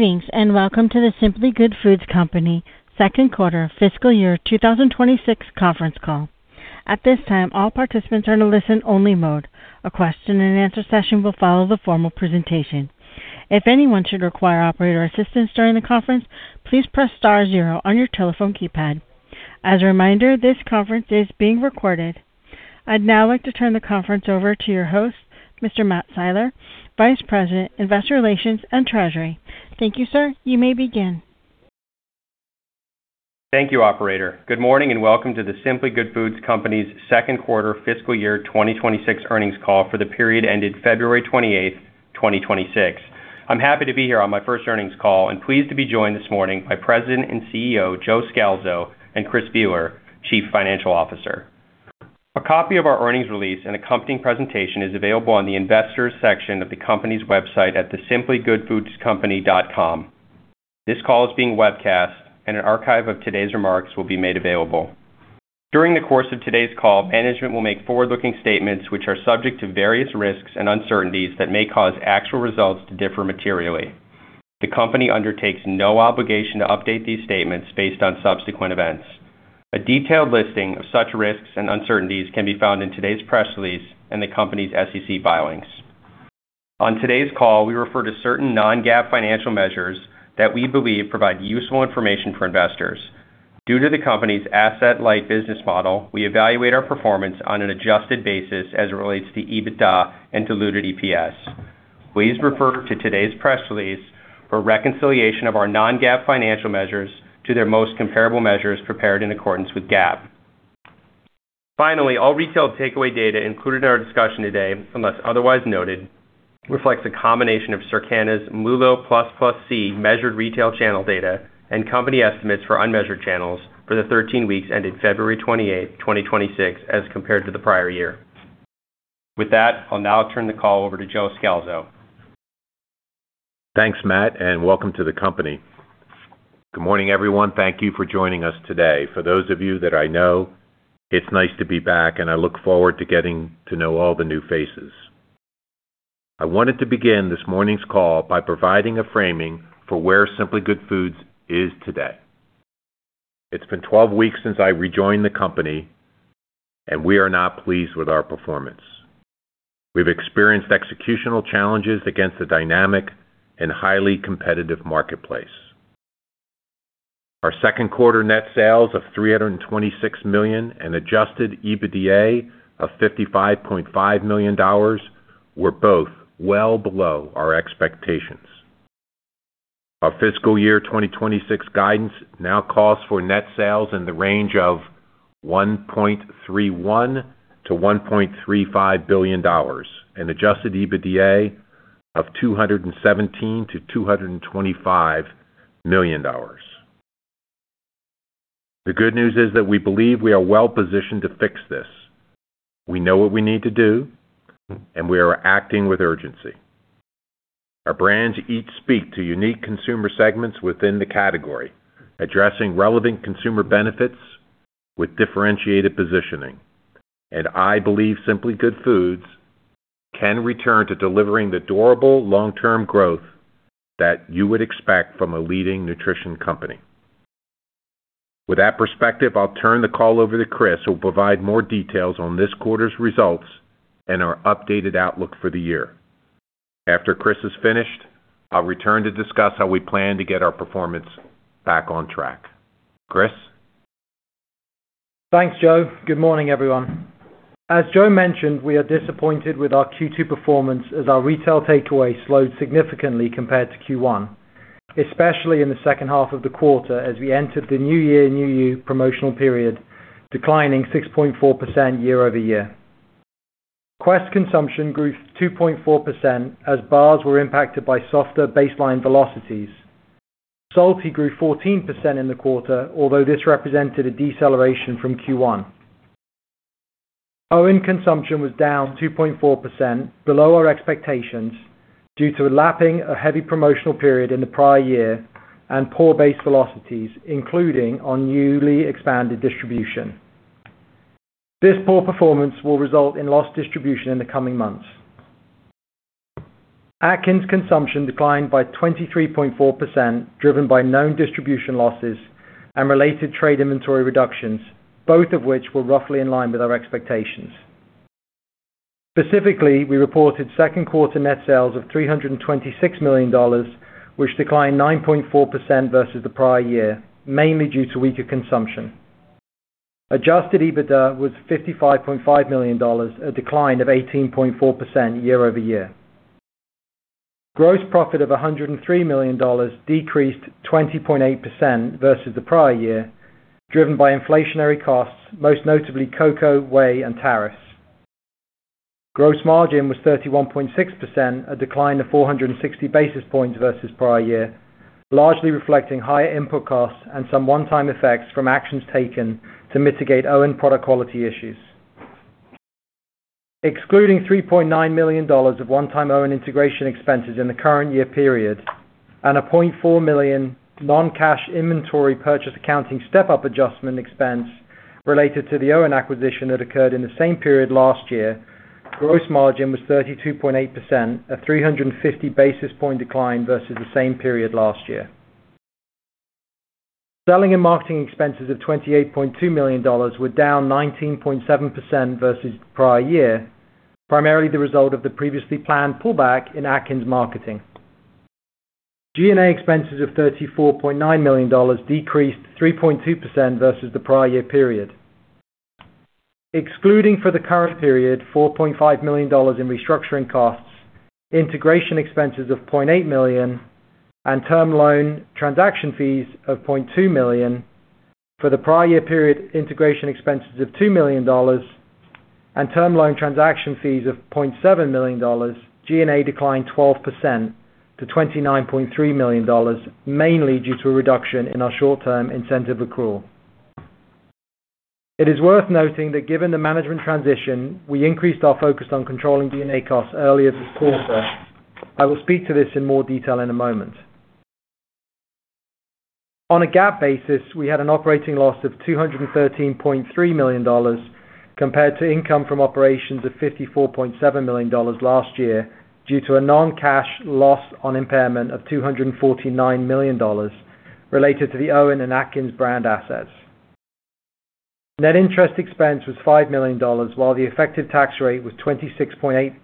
Greetings, and welcome to The Simply Good Foods Company second quarter fiscal year 2026 conference call. At this time, all participants are in a listen-only mode. A question-and-answer session will follow the formal presentation. If anyone should require operator assistance during the conference, please press star zero on your telephone keypad. As a reminder, this conference is being recorded. I'd now like to turn the conference over to your host, Mr. Matt Siler, Vice President, Investor Relations and Treasury. Thank you, sir. You may begin. Thank you, Operator. Good morning, and welcome to The Simply Good Foods Company's second quarter fiscal year 2026 earnings call for the period ended February 28th, 2026. I'm happy to be here on my first earnings call and pleased to be joined this morning by President and CEO Joe Scalzo and Chris Bealer, Chief Financial Officer. A copy of our earnings release and accompanying presentation is available on the investors section of the company's website at thesimplygoodfoodscompany.com. This call is being webcast, and an archive of today's remarks will be made available. During the course of today's call, management will make forward-looking statements, which are subject to various risks and uncertainties that may cause actual results to differ materially. The company undertakes no obligation to update these statements based on subsequent events. A detailed listing of such risks and uncertainties can be found in today's press release and the company's SEC filings. On today's call, we refer to certain non-GAAP financial measures that we believe provide useful information for investors. Due to the company's asset light business model, we evaluate our performance on an adjusted basis as it relates to EBITDA and diluted EPS. Please refer to today's press release for reconciliation of our non-GAAP financial measures to their most comparable measures prepared in accordance with GAAP. Finally, all retail takeaway data included in our discussion today, unless otherwise noted, reflects a combination of Circana's MULO++C measured retail channel data and company estimates for unmeasured channels for the 13 weeks ending February 28th, 2026, as compared to the prior year. With that, I'll now turn the call over to Joe Scalzo. Thanks, Matt, and welcome to the company. Good morning, everyone. Thank you for joining us today. For those of you that I know, it's nice to be back, and I look forward to getting to know all the new faces. I wanted to begin this morning's call by providing a framing for where Simply Good Foods is today. It's been 12 weeks since I rejoined the company, and we are not pleased with our performance. We've experienced executional challenges against a dynamic and highly competitive marketplace. Our second quarter net sales of $326 million and adjusted EBITDA of $55.5 million were both well below our expectations. Our fiscal year 2026 guidance now calls for net sales in the range of $1.31 billion-$1.35 billion and adjusted EBITDA of $217 billion-$225 million. The good news is that we believe we are well positioned to fix this. We know what we need to do, and we are acting with urgency. Our brands each speak to unique consumer segments within the category, addressing relevant consumer benefits with differentiated positioning. I believe Simply Good Foods can return to delivering the durable long-term growth that you would expect from a leading nutrition company. With that perspective, I'll turn the call over to Chris, who will provide more details on this quarter's results and our updated outlook for the year. After Chris is finished, I'll return to discuss how we plan to get our performance back on track. Chris? Thanks, Joe. Good morning, everyone. As Joe mentioned, we are disappointed with our Q2 performance as our retail takeaway slowed significantly compared to Q1, especially in the second half of the quarter as we entered the New Year, New You promotional period, declining 6.4% year-over-year. Quest consumption grew 2.4% as bars were impacted by softer baseline velocities. Salty grew 14% in the quarter, although this represented a deceleration from Q1. OWYN consumption was down 2.4%, below our expectations due to a lapping of heavy promotional period in the prior year and poor base velocities, including our newly expanded distribution. This poor performance will result in lost distribution in the coming months. Atkins consumption declined by 23.4%, driven by known distribution losses and related trade inventory reductions, both of which were roughly in line with our expectations. Specifically, we reported second quarter net sales of $326 million, which declined 9.4% versus the prior year, mainly due to weaker consumption. Adjusted EBITDA was $55.5 million, a decline of 18.4% year-over-year. Gross profit of $103 million decreased 20.8% versus the prior year, driven by inflationary costs, most notably cocoa, whey, and tariffs. Gross margin was 31.6%, a decline of 460 basis points versus prior year, largely reflecting higher input costs and some one-time effects from actions taken to mitigate OWYN product quality issues. Excluding $3.9 million of one-time OWYN integration expenses in the current year period and a $0.4 million non-cash inventory purchase accounting step-up adjustment expense related to the OWYN acquisition that occurred in the same period last year. Gross margin was 32.8%, a 350 basis point decline versus the same period last year. Selling and marketing expenses of $28.2 million were down 19.7% versus prior year, primarily the result of the previously planned pullback in Atkins marketing. G&A expenses of $34.9 million decreased 3.2% versus the prior year period. Excluding for the current period, $4.5 million in restructuring costs, integration expenses of $0.8 million and term loan transaction fees of $0.2 million for the prior year period, integration expenses of $2 million and term loan transaction fees of $0.7 million, G&A declined 12% to $29.3 million, mainly due to a reduction in our short-term incentive accrual. It is worth noting that given the management transition, we increased our focus on controlling G&A costs earlier this quarter. I will speak to this in more detail in a moment. On a GAAP basis, we had an operating loss of $213.3 million compared to income from operations of $54.7 million last year due to a non-cash loss on impairment of $249 million related to the OWYN and Atkins brand assets. Net interest expense was $5 million, while the effective tax rate was 26.8%.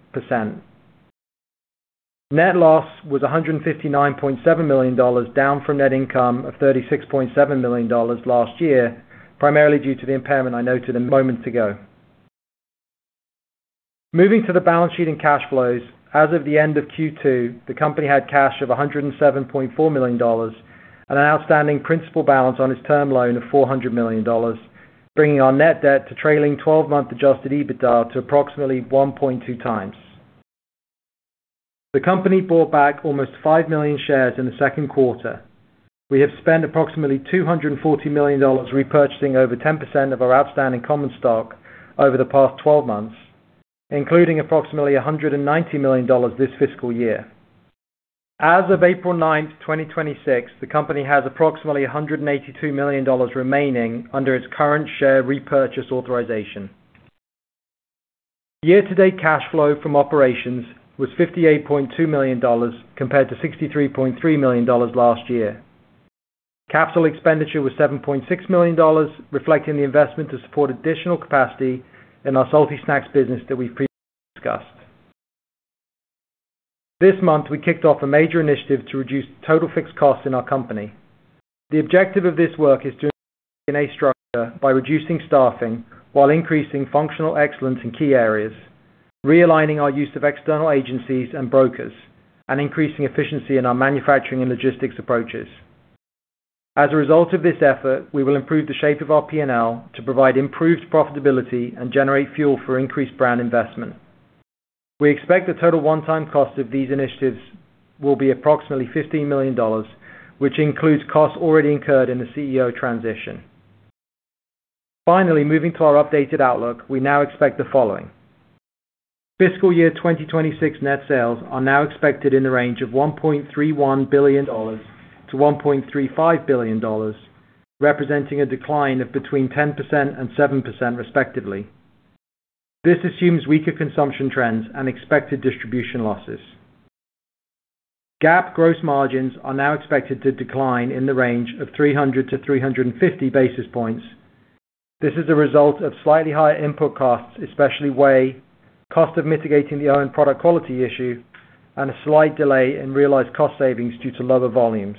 Net loss was $159.7 million, down from net income of $36.7 million last year, primarily due to the impairment I noted a moment ago. Moving to the balance sheet and cash flows, as of the end of Q2, the company had cash of $107.4 million and an outstanding principal balance on its term loan of $400 million, bringing our net debt to trailing 12-month adjusted EBITDA to approximately 1.2x. The company bought back almost 5 million shares in the second quarter. We have spent approximately $240 million repurchasing over 10% of our outstanding common stock over the past 12 months, including approximately $190 million this fiscal year. As of April 9th, 2026, the company has approximately $182 million remaining under its current share repurchase authorization. Year-to-date cash flow from operations was $58.2 million, compared to $63.3 million last year. Capital expenditure was $7.6 million, reflecting the investment to support additional capacity in our salty snacks business that we've previously discussed. This month, we kicked off a major initiative to reduce total fixed costs in our company. The objective of this work is to restructure by reducing staffing while increasing functional excellence in key areas, realigning our use of external agencies and brokers, and increasing efficiency in our manufacturing and logistics approaches. As a result of this effort, we will improve the shape of our P&L to provide improved profitability and generate fuel for increased brand investment. We expect the total one-time cost of these initiatives will be approximately $15 million, which includes costs already incurred in the CEO transition. Finally, moving to our updated outlook, we now expect the following. Fiscal year 2026 net sales are now expected in the range of $1.31 billion-$1.35 billion, representing a decline of between 10% and 7%, respectively. This assumes weaker consumption trends and expected distribution losses. GAAP gross margins are now expected to decline in the range of 300-350 basis points. This is a result of slightly higher input costs, especially whey, cost of mitigating the OWYN product quality issue, and a slight delay in realized cost savings due to lower volumes.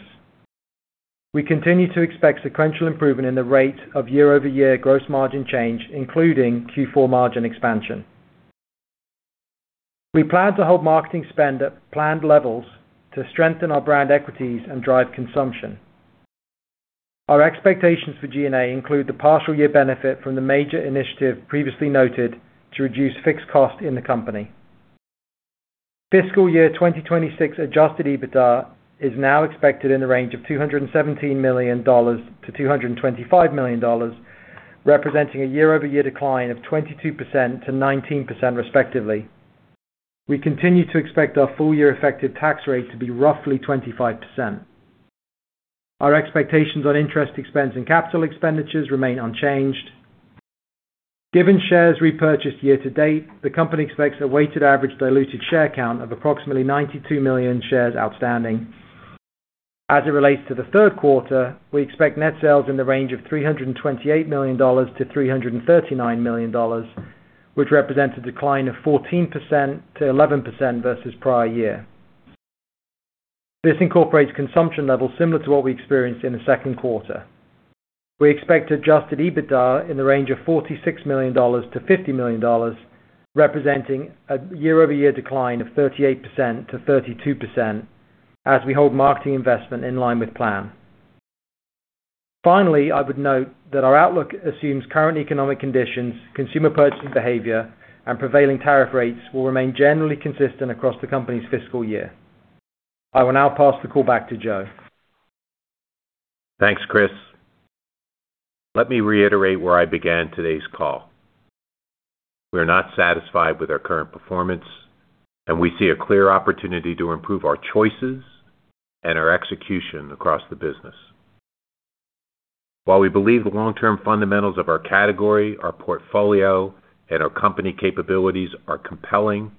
We continue to expect sequential improvement in the rate of year-over-year gross margin change, including Q4 margin expansion. We plan to hold marketing spend at planned levels to strengthen our brand equities and drive consumption. Our expectations for G&A include the partial year benefit from the major initiative previously noted to reduce fixed cost in the company. Fiscal year 2026 adjusted EBITDA is now expected in the range of $217 million-$225 million, representing a year-over-year decline of 22% to 19%, respectively. We continue to expect our full year effective tax rate to be roughly 25%. Our expectations on interest expense and capital expenditures remain unchanged. Given shares repurchased year-to-date, the company expects a weighted average diluted share count of approximately 92 million shares outstanding. As it relates to the third quarter, we expect net sales in the range of $328 million-$339 million, which represents a decline of 14% to 11% versus prior year. This incorporates consumption levels similar to what we experienced in the second quarter. We expect adjusted EBITDA in the range of $46 million-$50 million, representing a year-over-year decline of 38% to 32% as we hold marketing investment in line with plan. Finally, I would note that our outlook assumes current economic conditions, consumer purchasing behavior, and prevailing tariff rates will remain generally consistent across the company's fiscal year. I will now pass the call back to Joe. Thanks, Chris. Let me reiterate where I began today's call. We are not satisfied with our current performance, and we see a clear opportunity to improve our choices and our execution across the business. While we believe the long-term fundamentals of our category, our portfolio, and our company capabilities are compelling,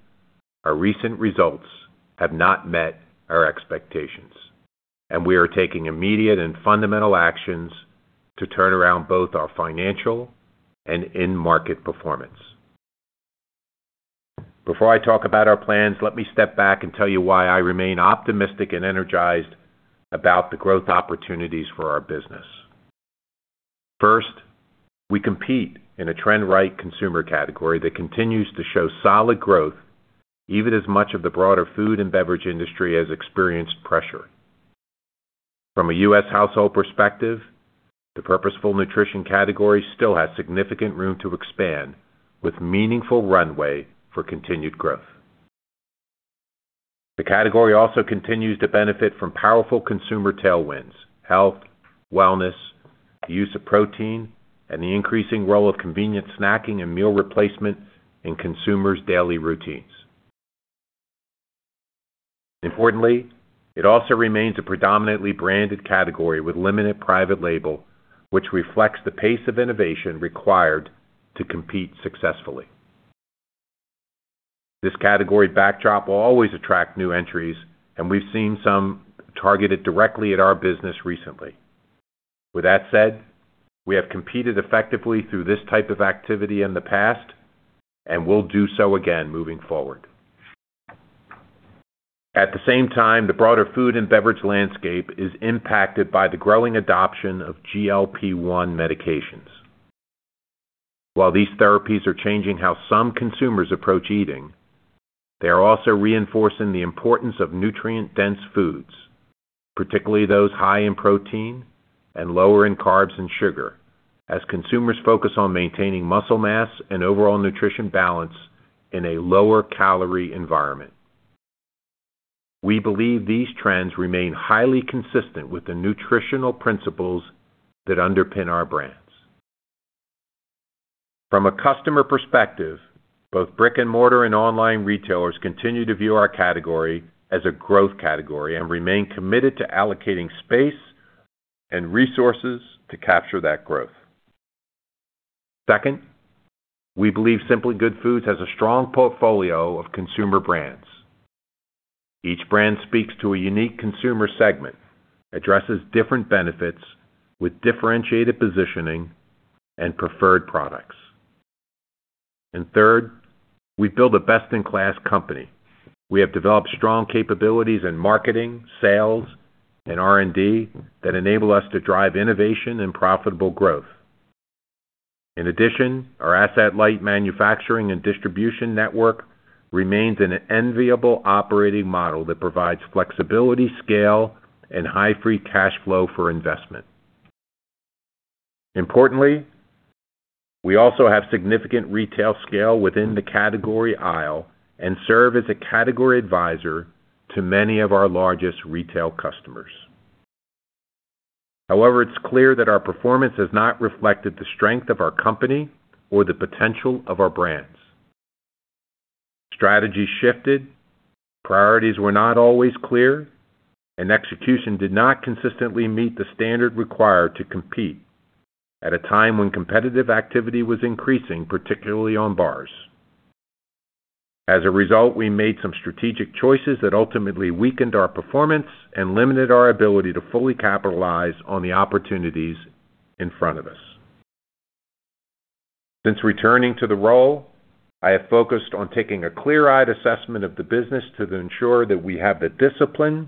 our recent results have not met our expectations, and we are taking immediate and fundamental actions to turn around both our financial and in-market performance. Before I talk about our plans, let me step back and tell you why I remain optimistic and energized about the growth opportunities for our business. First, we compete in a trend-right consumer category that continues to show solid growth even as much of the broader food and beverage industry has experienced pressure. From a U.S. household perspective, the purposeful nutrition category still has significant room to expand, with meaningful runway for continued growth. The category also continues to benefit from powerful consumer tailwinds, health, wellness, the use of protein, and the increasing role of convenient snacking and meal replacement in consumers' daily routines. Importantly, it also remains a predominantly branded category with limited private label, which reflects the pace of innovation required to compete successfully. This category backdrop will always attract new entries, and we've seen some targeted directly at our business recently. With that said, we have competed effectively through this type of activity in the past and will do so again moving forward. At the same time, the broader food and beverage landscape is impacted by the growing adoption of GLP-1 medications. While these therapies are changing how some consumers approach eating, they are also reinforcing the importance of nutrient-dense foods, particularly those high in protein and lower in carbs and sugar, as consumers focus on maintaining muscle mass and overall nutrition balance in a lower calorie environment. We believe these trends remain highly consistent with the nutritional principles that underpin our brands. From a customer perspective, both brick and mortar and online retailers continue to view our category as a growth category and remain committed to allocating space and resources to capture that growth. Second, we believe Simply Good Foods has a strong portfolio of consumer brands. Each brand speaks to a unique consumer segment, addresses different benefits with differentiated positioning and preferred products. Third, we've built a best-in-class company. We have developed strong capabilities in marketing, sales, and R&D that enable us to drive innovation and profitable growth. In addition, our asset-light manufacturing and distribution network remains an enviable operating model that provides flexibility, scale, and high free cash flow for investment. Importantly, we also have significant retail scale within the category aisle and serve as a category advisor to many of our largest retail customers. However, it's clear that our performance has not reflected the strength of our company or the potential of our brands. Strategy shifted, priorities were not always clear, and execution did not consistently meet the standard required to compete at a time when competitive activity was increasing, particularly on bars. As a result, we made some strategic choices that ultimately weakened our performance and limited our ability to fully capitalize on the opportunities in front of us. Since returning to the role, I have focused on taking a clear-eyed assessment of the business to ensure that we have the discipline,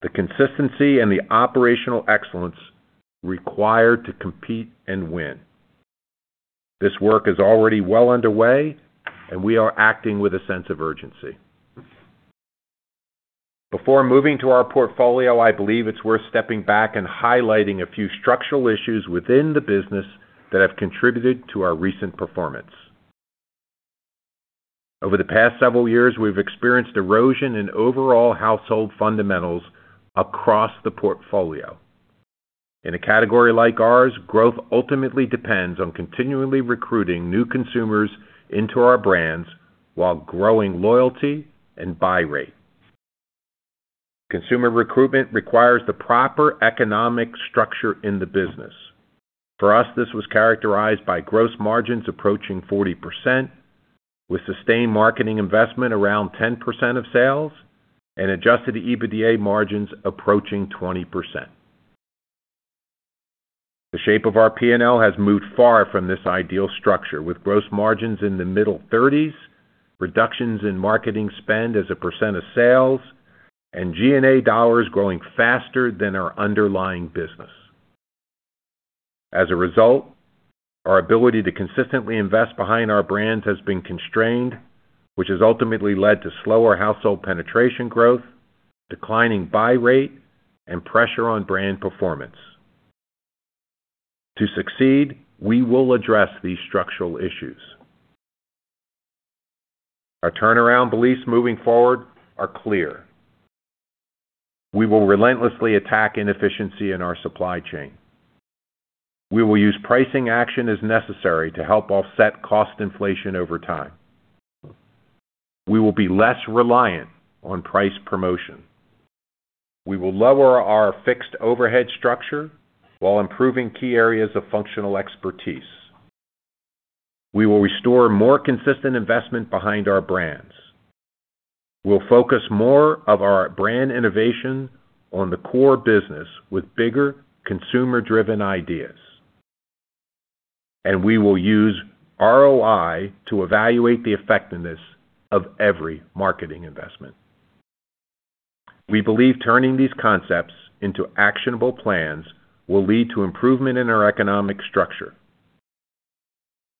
the consistency, and the operational excellence required to compete and win. This work is already well underway and we are acting with a sense of urgency. Before moving to our portfolio, I believe it's worth stepping back and highlighting a few structural issues within the business that have contributed to our recent performance. Over the past several years, we've experienced erosion in overall household fundamentals across the portfolio. In a category like ours, growth ultimately depends on continually recruiting new consumers into our brands while growing loyalty and buy rate. Consumer recruitment requires the proper economic structure in the business. For us, this was characterized by gross margins approaching 40%, with sustained marketing investment around 10% of sales and adjusted EBITDA margins approaching 20%. The shape of our P&L has moved far from this ideal structure, with gross margins in the mid-30s, reductions in marketing spend as a percent of sales, and G&A dollars growing faster than our underlying business. As a result, our ability to consistently invest behind our brands has been constrained, which has ultimately led to slower household penetration growth, declining buy rate, and pressure on brand performance. To succeed, we will address these structural issues. Our turnaround beliefs moving forward are clear. We will relentlessly attack inefficiency in our supply chain. We will use pricing action as necessary to help offset cost inflation over time. We will be less reliant on price promotion. We will lower our fixed overhead structure while improving key areas of functional expertise. We will restore more consistent investment behind our brands. We'll focus more of our brand innovation on the core business with bigger consumer-driven ideas. We will use ROI to evaluate the effectiveness of every marketing investment. We believe turning these concepts into actionable plans will lead to improvement in our economic structure.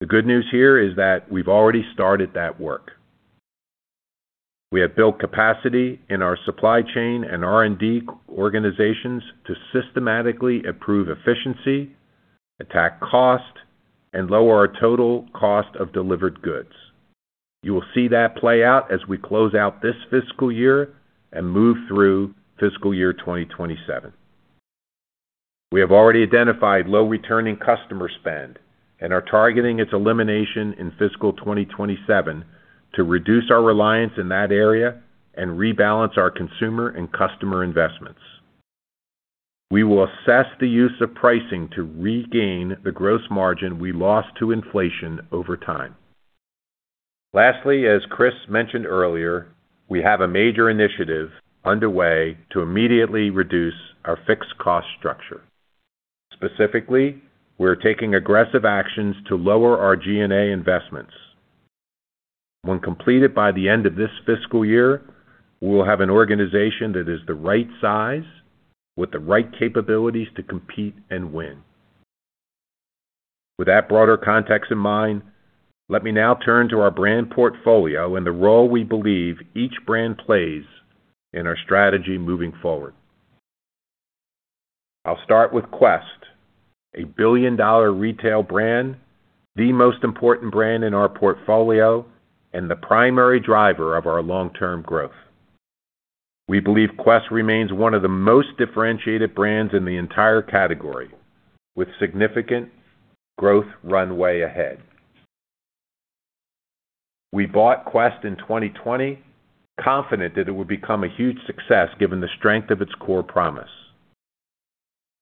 The good news here is that we've already started that work. We have built capacity in our supply chain and R&D organizations to systematically improve efficiency, attack cost, and lower our total cost of delivered goods. You will see that play out as we close out this fiscal year and move through fiscal year 2027. We have already identified low returning customer spend and are targeting its elimination in fiscal 2027 to reduce our reliance in that area and rebalance our consumer and customer investments. We will assess the use of pricing to regain the gross margin we lost to inflation over time. Lastly, as Chris mentioned earlier, we have a major initiative underway to immediately reduce our fixed cost structure. Specifically, we're taking aggressive actions to lower our G&A investments. When completed by the end of this fiscal year, we will have an organization that is the right size with the right capabilities to compete and win. With that broader context in mind, let me now turn to our brand portfolio and the role we believe each brand plays in our strategy moving forward. I'll start with Quest, a billion-dollar retail brand, the most important brand in our portfolio, and the primary driver of our long-term growth. We believe Quest remains one of the most differentiated brands in the entire category, with significant growth runway ahead. We bought Quest in 2020, confident that it would become a huge success given the strength of its core promise.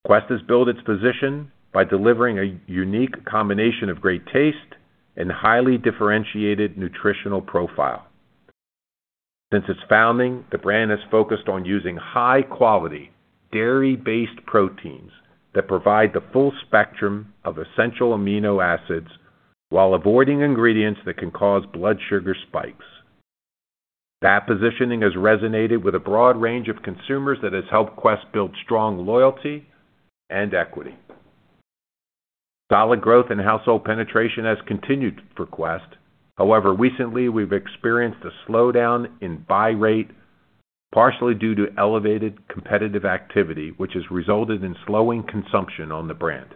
Quest has built its position by delivering a unique combination of great taste and highly differentiated nutritional profile. Since its founding, the brand has focused on using high-quality, dairy-based proteins that provide the full spectrum of essential amino acids while avoiding ingredients that can cause blood sugar spikes. That positioning has resonated with a broad range of consumers that has helped Quest build strong loyalty and equity. Solid growth and household penetration has continued for Quest. However, recently, we've experienced a slowdown in buy rate, partially due to elevated competitive activity, which has resulted in slowing consumption on the brand.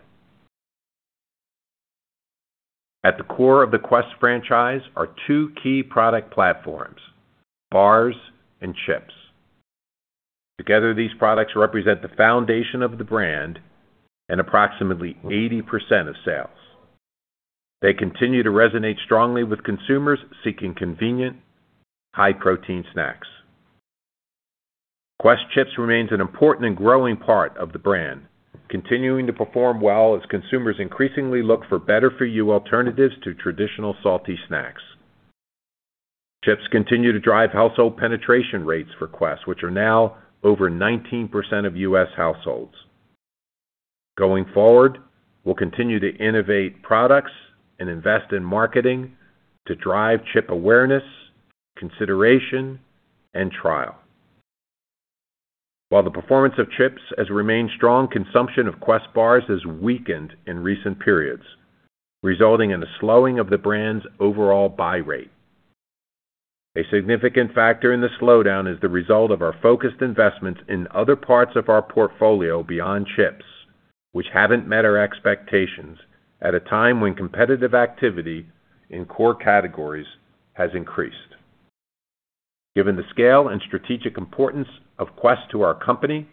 At the core of the Quest franchise are two key product platforms, bars and chips. Together, these products represent the foundation of the brand and approximately 80% of sales. They continue to resonate strongly with consumers seeking convenient, high-protein snacks. Quest Chips remains an important and growing part of the brand, continuing to perform well as consumers increasingly look for better-for-you alternatives to traditional salty snacks. Chips continue to drive household penetration rates for Quest, which are now over 19% of U.S. households. Going forward, we'll continue to innovate products and invest in marketing to drive chip awareness, consideration, and trial. While the performance of chips has remained strong, consumption of Quest Bars has weakened in recent periods, resulting in a slowing of the brand's overall buy rate. A significant factor in the slowdown is the result of our focused investments in other parts of our portfolio beyond chips, which haven't met our expectations at a time when competitive activity in core categories has increased. Given the scale and strategic importance of Quest to our company,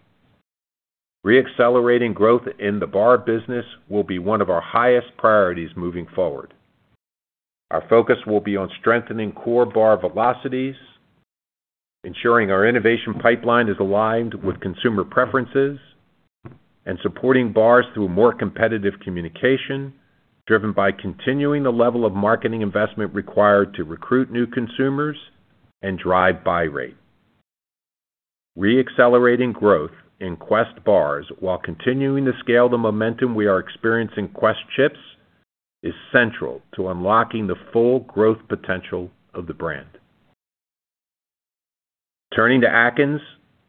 re-accelerating growth in the bar business will be one of our highest priorities moving forward. Our focus will be on strengthening core bar velocities, ensuring our innovation pipeline is aligned with consumer preferences, and supporting bars through more competitive communication driven by continuing the level of marketing investment required to recruit new consumers and drive buy rate. Re-accelerating growth in Quest Bars while continuing to scale the momentum we are experiencing Quest Chips is central to unlocking the full growth potential of the brand. Turning to Atkins,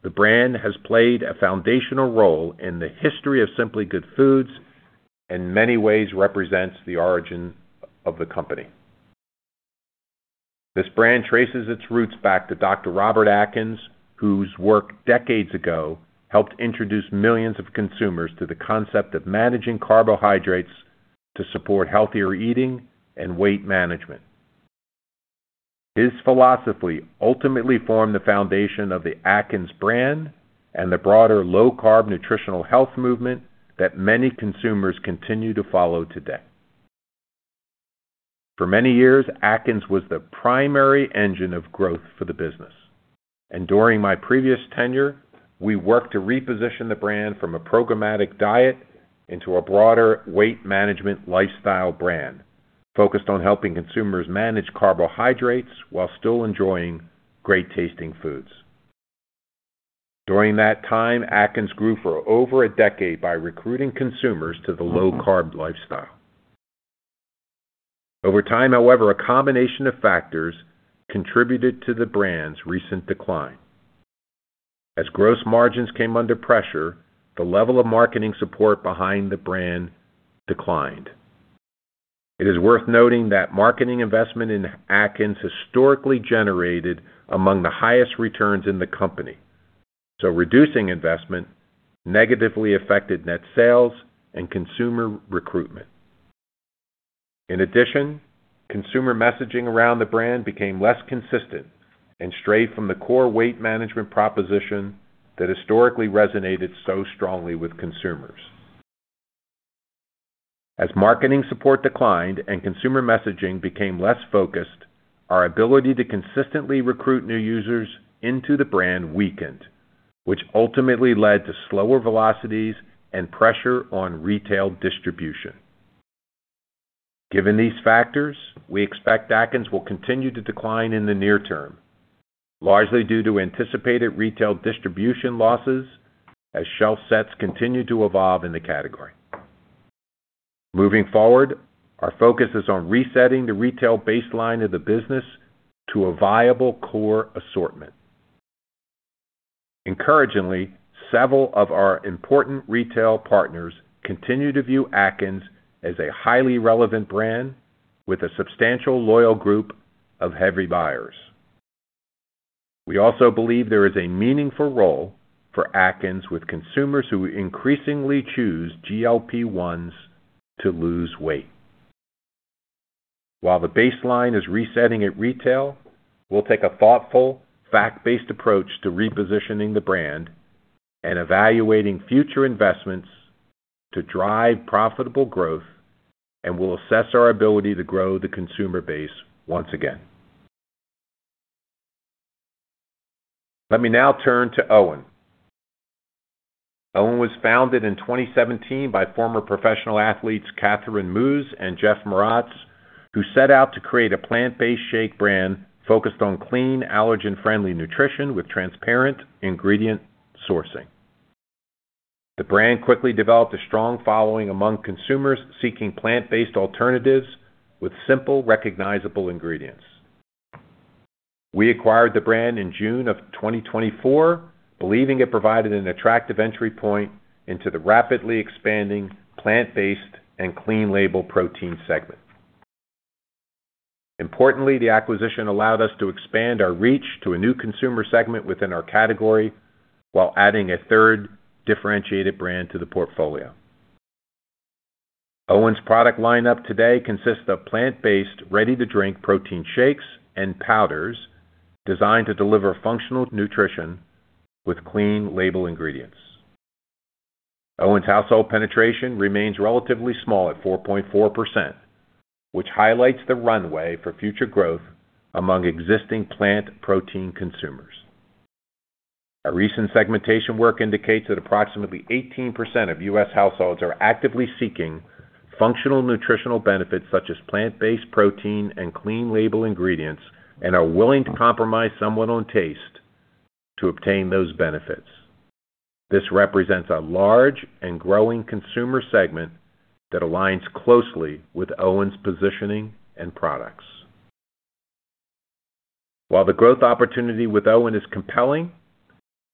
the brand has played a foundational role in the history of Simply Good Foods and in many ways represents the origin of the company. This brand traces its roots back to Dr. Robert Atkins, whose work decades ago helped introduce millions of consumers to the concept of managing carbohydrates to support healthier eating and weight management. His philosophy ultimately formed the foundation of the Atkins brand and the broader low-carb nutritional health movement that many consumers continue to follow today. For many years, Atkins was the primary engine of growth for the business. During my previous tenure, we worked to reposition the brand from a programmatic diet into a broader weight management lifestyle brand, focused on helping consumers manage carbohydrates while still enjoying great-tasting foods. During that time, Atkins grew for over a decade by recruiting consumers to the low-carb lifestyle. Over time, however, a combination of factors contributed to the brand's recent decline. As gross margins came under pressure, the level of marketing support behind the brand declined. It is worth noting that marketing investment in Atkins historically generated among the highest returns in the company. Reducing investment negatively affected net sales and consumer recruitment. In addition, consumer messaging around the brand became less consistent and strayed from the core weight management proposition that historically resonated so strongly with consumers. As marketing support declined and consumer messaging became less focused, our ability to consistently recruit new users into the brand weakened, which ultimately led to slower velocities and pressure on retail distribution. Given these factors, we expect Atkins will continue to decline in the near term, largely due to anticipated retail distribution losses as shelf sets continue to evolve in the category. Moving forward, our focus is on resetting the retail baseline of the business to a viable core assortment. Encouragingly, several of our important retail partners continue to view Atkins as a highly relevant brand with a substantial loyal group of heavy buyers. We also believe there is a meaningful role for Atkins with consumers who increasingly choose GLP-1s to lose weight. While the baseline is resetting at retail, we'll take a thoughtful, fact-based approach to repositioning the brand and evaluating future investments to drive profitable growth, and we'll assess our ability to grow the consumer base once again. Let me now turn to OWYN. OWYN was founded in 2017 by former professional athletes Kathryn Moos and Jeff Mroz, who set out to create a plant-based shake brand focused on clean, allergen-friendly nutrition with transparent ingredient sourcing. The brand quickly developed a strong following among consumers seeking plant-based alternatives with simple, recognizable ingredients. We acquired the brand in June of 2024, believing it provided an attractive entry point into the rapidly expanding plant-based and clean label protein segment. Importantly, the acquisition allowed us to expand our reach to a new consumer segment within our category while adding a third differentiated brand to the portfolio. OWYN's product lineup today consists of plant-based, ready-to-drink protein shakes and powders designed to deliver functional nutrition with clean label ingredients. OWYN's household penetration remains relatively small at 4.4%, which highlights the runway for future growth among existing plant protein consumers. Our recent segmentation work indicates that approximately 18% of U.S. households are actively seeking functional nutritional benefits, such as plant-based protein and clean label ingredients, and are willing to compromise somewhat on taste to obtain those benefits. This represents a large and growing consumer segment that aligns closely with OWYN's positioning and products. While the growth opportunity with OWYN is compelling,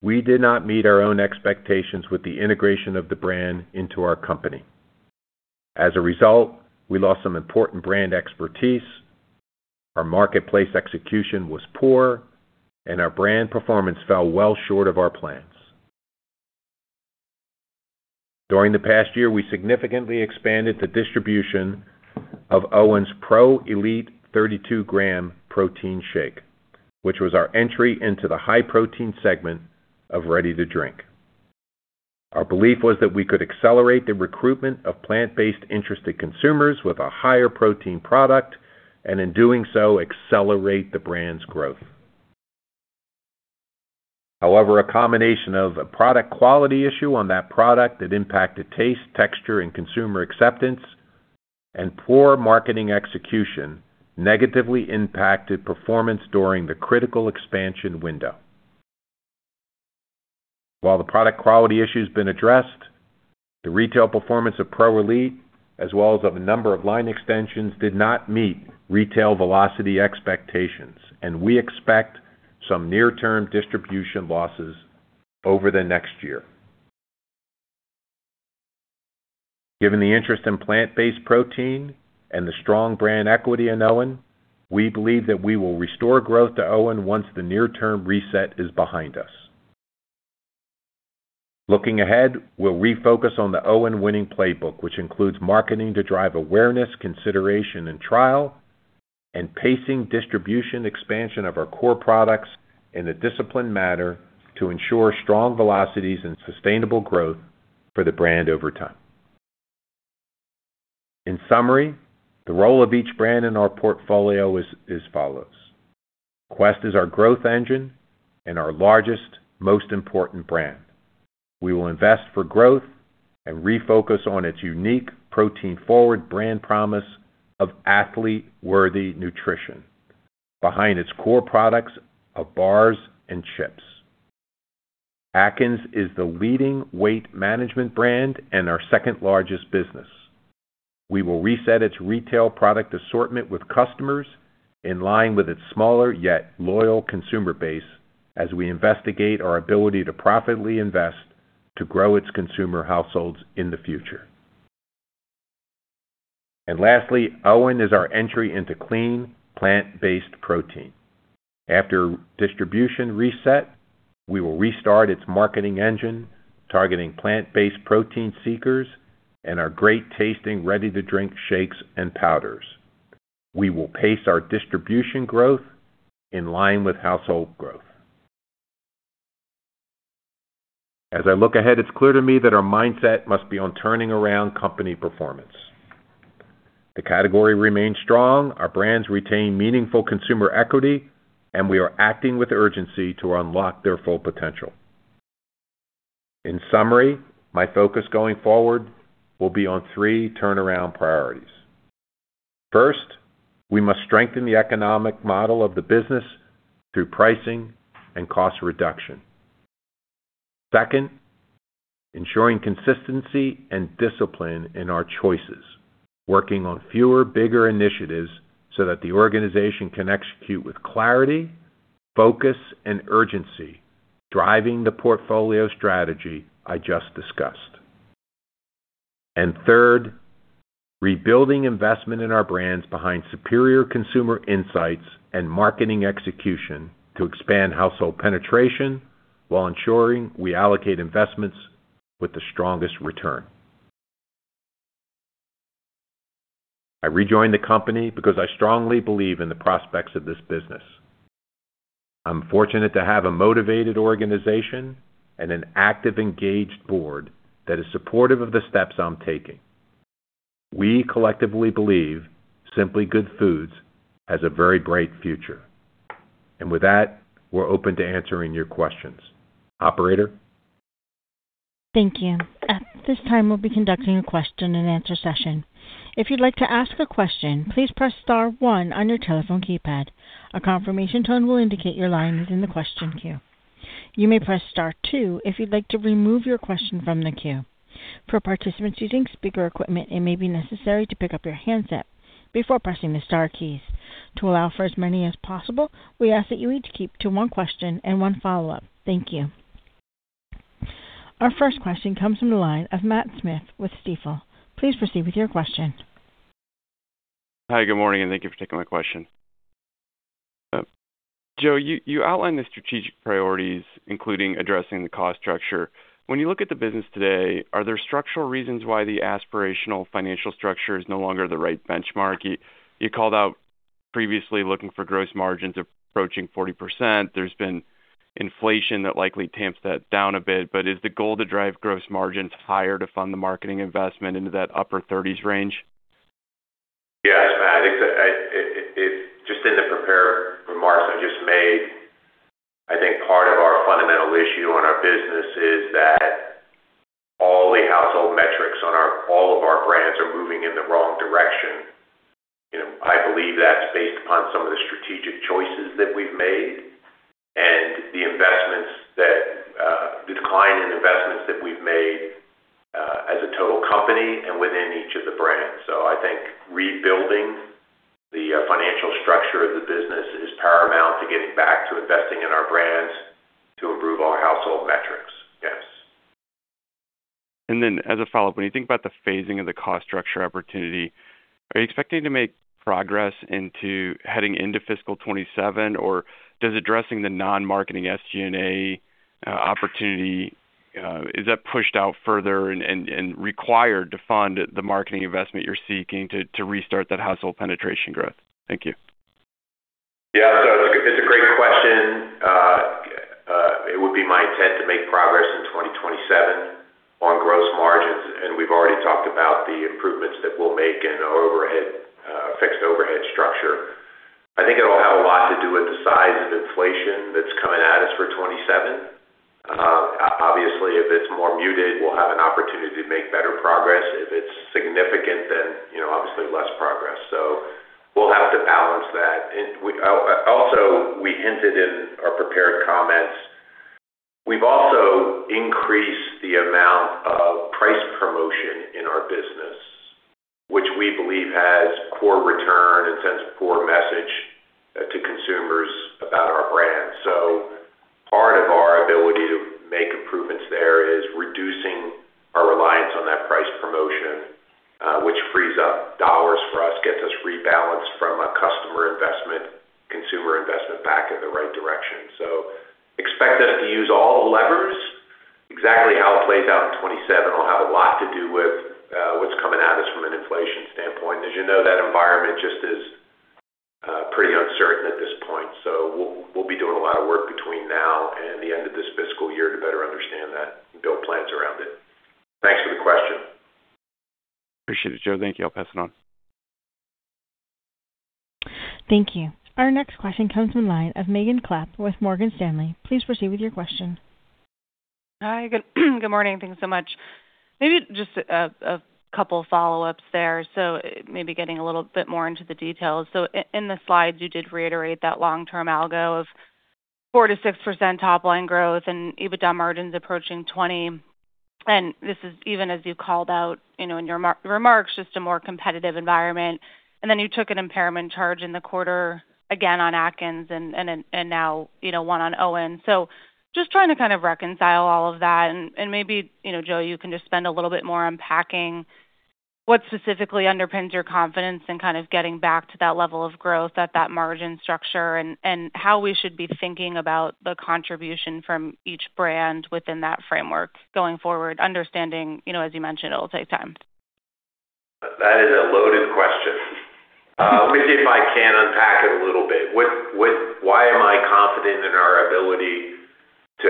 we did not meet our own expectations with the integration of the brand into our company. As a result, we lost some important brand expertise, our marketplace execution was poor, and our brand performance fell well short of our plans. During the past year, we significantly expanded the distribution of OWYN's Pro Elite 32 g Protein Shake, which was our entry into the high protein segment of ready-to-drink. Our belief was that we could accelerate the recruitment of plant-based interested consumers with a higher protein product, and in doing so, accelerate the brand's growth. However, a combination of a product quality issue on that product that impacted taste, texture, and consumer acceptance, and poor marketing execution negatively impacted performance during the critical expansion window. While the product quality issue's been addressed, the retail performance of Pro Elite, as well as of a number of line extensions, did not meet retail velocity expectations, and we expect some near-term distribution losses over the next year. Given the interest in plant-based protein and the strong brand equity in OWYN, we believe that we will restore growth to OWYN once the near-term reset is behind us. Looking ahead, we'll refocus on the OWYN winning playbook, which includes marketing to drive awareness, consideration, and trial and pacing distribution expansion of our core products in a disciplined manner to ensure strong velocities and sustainable growth for the brand over time. In summary, the role of each brand in our portfolio is as follows. Quest is our growth engine and our largest, most important brand. We will invest for growth and refocus on its unique protein-forward brand promise of athlete-worthy nutrition behind its core products of bars and chips. Atkins is the leading weight management brand and our second largest business. We will reset its retail product assortment with customers in line with its smaller yet loyal consumer base as we investigate our ability to profitably invest to grow its consumer households in the future. Lastly, OWYN is our entry into clean, plant-based protein. After distribution reset, we will restart its marketing engine targeting plant-based protein seekers and our great tasting ready-to-drink shakes and powders. We will pace our distribution growth in line with household growth. As I look ahead, it's clear to me that our mindset must be on turning around company performance. The category remains strong, our brands retain meaningful consumer equity, and we are acting with urgency to unlock their full potential. In summary, my focus going forward will be on three turnaround priorities. First, we must strengthen the economic model of the business through pricing and cost reduction. Second, ensuring consistency and discipline in our choices, working on fewer, bigger initiatives so that the organization can execute with clarity, focus, and urgency, driving the portfolio strategy I just discussed. Third, rebuilding investment in our brands behind superior consumer insights and marketing execution to expand household penetration while ensuring we allocate investments with the strongest return. I rejoined the company because I strongly believe in the prospects of this business. I'm fortunate to have a motivated organization and an active, engaged board that is supportive of the steps I'm taking. We collectively believe Simply Good Foods has a very bright future. With that, we're open to answering your questions. Operator? Thank you. At this time, we'll be conducting a question-and-answer session. If you'd like to ask a question, please press star one on your telephone keypad. A confirmation tone will indicate your line is in the question queue. You may press star two if you'd like to remove your question from the queue. For participants using speaker equipment, it may be necessary to pick up your handset before pressing the star keys. To allow for as many as possible, we ask that you each keep to one question and one follow-up. Thank you. Our first question comes from the line of Matt Smith with Stifel. Please proceed with your question. Hi, good morning, and thank you for taking my question. Joe, you outlined the strategic priorities, including addressing the cost structure. When you look at the business today, are there structural reasons why the aspirational financial structure is no longer the right benchmark? You called out previously looking for gross margins approaching 40%. There's been inflation that likely tamps that down a bit, but is the goal to drive gross margins higher to fund the marketing investment into that upper 30s range? Yes, Matt, just in the prepared remarks I just made, I think part of our fundamental issue on our business is that all the household metrics on all of our brands are moving in the wrong direction. I believe that's based upon some of the strategic choices that we've made and the decline in investments that we've made, as a total company and within each of the brands. I think rebuilding the financial structure of the business is paramount to getting back to investing in our brands to improve our household metrics. Yes. As a follow-up, when you think about the phasing of the cost structure opportunity, are you expecting to make progress into heading into fiscal 2027? Or does addressing the non-marketing SG&A opportunity? Is that pushed out further and required to fund the marketing investment you're seeking to restart that household penetration growth? Thank you. Yeah. It's a great question. It would be my intent to make progress in 2027 on gross margins, and we've already talked about the improvements that we'll make in our fixed overhead structure. I think it'll have a lot to do with the size of inflation that's coming at us for 2027. Obviously, if it's more muted, we'll have an opportunity to make better progress. If it's significant, then obviously less progress. We'll have to balance that. Also, we hinted in our prepared comments, we've also increased the amount of price promotion in our business, which we believe has poor return and sends a poor message to consumers about our brand. Part of our ability to make improvements there is reducing our reliance on that price promotion, which frees up dollars for us, gets us rebalanced from a customer investment consumer investment back in the right direction. Expect us to use all the levers. Exactly how it plays out in 2027 will have a lot to do with what's coming at us from an inflation standpoint. As you know, that environment just is pretty uncertain at this point. We'll be doing a lot of work between now and the end of this fiscal year to better understand that and build plans around it. Thanks for the question. Appreciate it, Joe. Thank you. I'll pass it on. Thank you. Our next question comes from the line of Megan Clapp with Morgan Stanley. Please proceed with your question. Hi, good morning. Thanks so much. Maybe just a couple follow-ups there. Maybe getting a little bit more into the details. In the slides, you did reiterate that long-term goal of 4%-6% top line growth and EBITDA margins approaching 20%. This is even as you called out in your remarks, just a more competitive environment. Then you took an impairment charge in the quarter, again on Atkins and now one on OWYN. Just trying to kind of reconcile all of that and maybe, Joe, you can just spend a little bit more unpacking what specifically underpins your confidence in kind of getting back to that level of growth at that margin structure and how we should be thinking about the contribution from each brand within that framework going forward, understanding, as you mentioned, it'll take time. That is a loaded question. Let me see if I can unpack it a little bit. Why am I confident in our ability to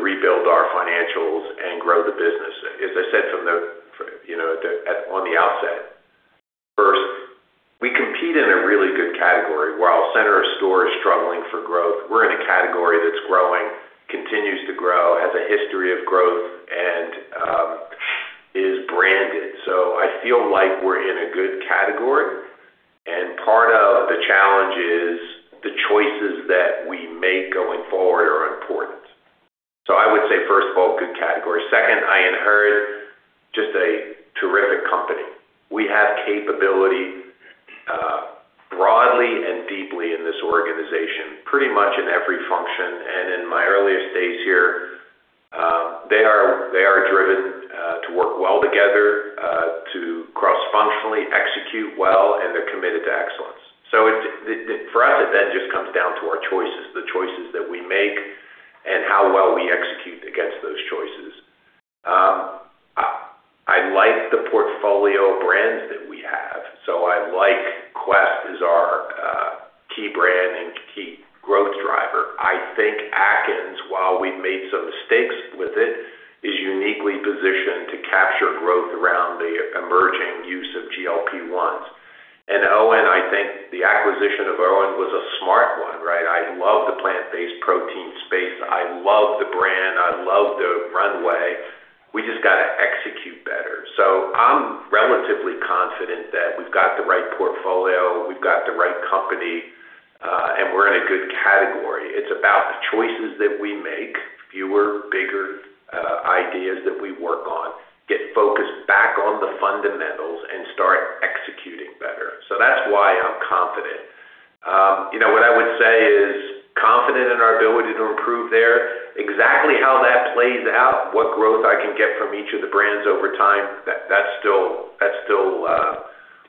rebuild our financials and grow the business? As I said on the outset, first, we compete in a really good category. While center of store is struggling for growth, we're in a category that's growing, continues to grow, has a history of growth, and is branded. I feel like we're in a good category, and part of the challenge is the choices that we make going forward are important. I would say, first of all, good category. Second, I inherited just a terrific company. We have capability broadly and deeply in this organization, pretty much in every function. In my earliest days here, they are driven to work well together, to cross-functionally execute well, and they're committed to excellence. For us, it then just comes down to our choices, the choices that we make, and how well we execute against those choices. I like the portfolio of brands that we have. I like Quest as our key brand and key growth driver. I think Atkins, while we've made some mistakes with it, is uniquely positioned to capture growth around the emerging use of GLP-1s. OWYN, I think the acquisition of OWYN was a smart one. I love the plant-based protein space. I love the brand. I love the runway. We just got to execute better. I'm relatively confident that we've got the right portfolio, we've got the right company, and we're in a good category. It's about the choices that we make, fewer, bigger ideas that we work on, get focused back on the fundamentals and start executing better. That's why I'm confident. What I would say is we're confident in our ability to improve there. Exactly how that plays out, what growth I can get from each of the brands over time, that's still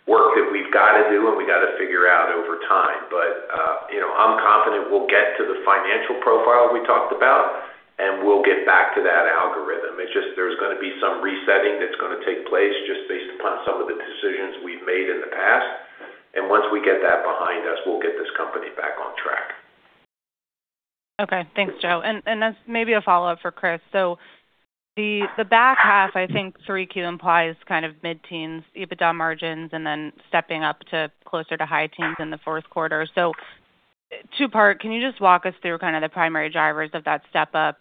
work that we've got to do, and we got to figure out over time. I'm confident we'll get to the financial profile we talked about, and we'll get back to that algorithm. It's just there's going to be some resetting that's going to take place just based upon some of the decisions we've made in the past. Once we get that behind us, we'll get this company back on track. Okay. Thanks, Joe. As maybe a follow-up for Chris. The back half, I think 3Q implies kind of mid-teens EBITDA margins and then stepping up to closer to high teens in the fourth quarter. Two-part, can you just walk us through kind of the primary drivers of that step up,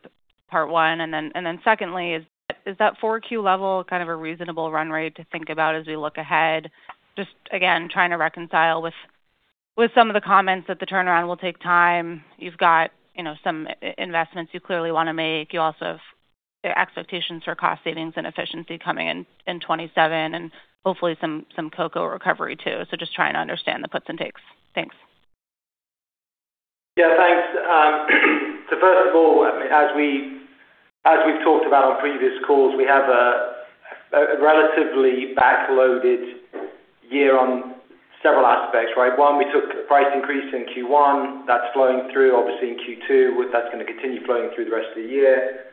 part one? And then secondly, is that 4Q level kind of a reasonable run rate to think about as we look ahead? Just again, trying to reconcile with some of the comments that the turnaround will take time. You've got some investments you clearly want to make. You also have expectations for cost savings and efficiency coming in 2027 and hopefully some cocoa recovery too. Just trying to understand the puts and takes. Thanks. Yeah, thanks. First of all, as we've talked about on previous calls, we have a relatively back-loaded year on several aspects, right? One, we took a price increase in Q1. That's flowing through, obviously, in Q2. That's going to continue flowing through the rest of the year.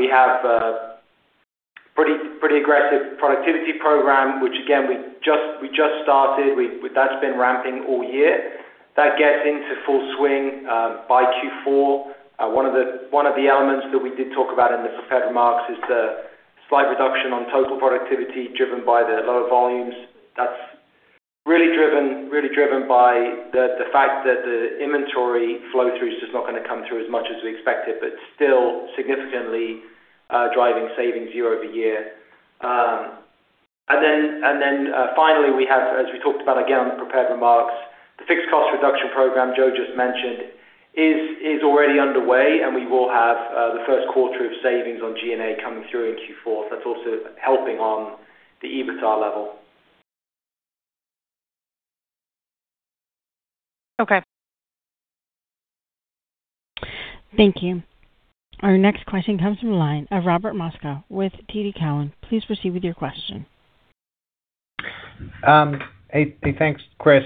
We have a pretty aggressive productivity program, which again, we just started. That's been ramping all year. That gets into full swing by Q4. One of the elements that we did talk about in the prepared remarks is the slight reduction on total productivity driven by the lower volumes. That's really driven by the fact that the inventory flow through is just not going to come through as much as we expected, but still significantly driving savings year-over-year. Finally, we have, as we talked about again on the prepared remarks, the fixed cost reduction program Joe just mentioned is already underway, and we will have the first quarter of savings on G&A coming through in Q4. That's also helping on the EBITDA level. Okay. Thank you. Our next question comes from the line of Robert Moskow with TD Cowen. Please proceed with your question. Hey, thanks, Chris.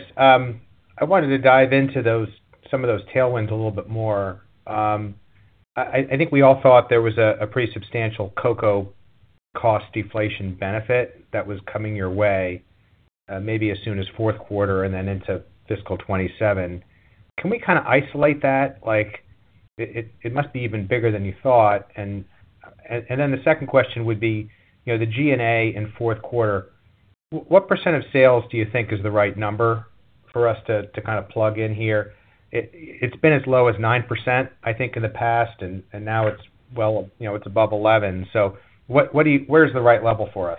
I wanted to dive into some of those tailwinds a little bit more. I think we all thought there was a pretty substantial cocoa cost deflation benefit that was coming your way, maybe as soon as fourth quarter and then into fiscal 2027. Can we kind of isolate that? It must be even bigger than you thought. And then the second question would be, the G&A in fourth quarter. What percent of sales do you think is the right number for us to plug in here? It's been as low as 9%, I think, in the past, and now it's above 11%. Where's the right level for us?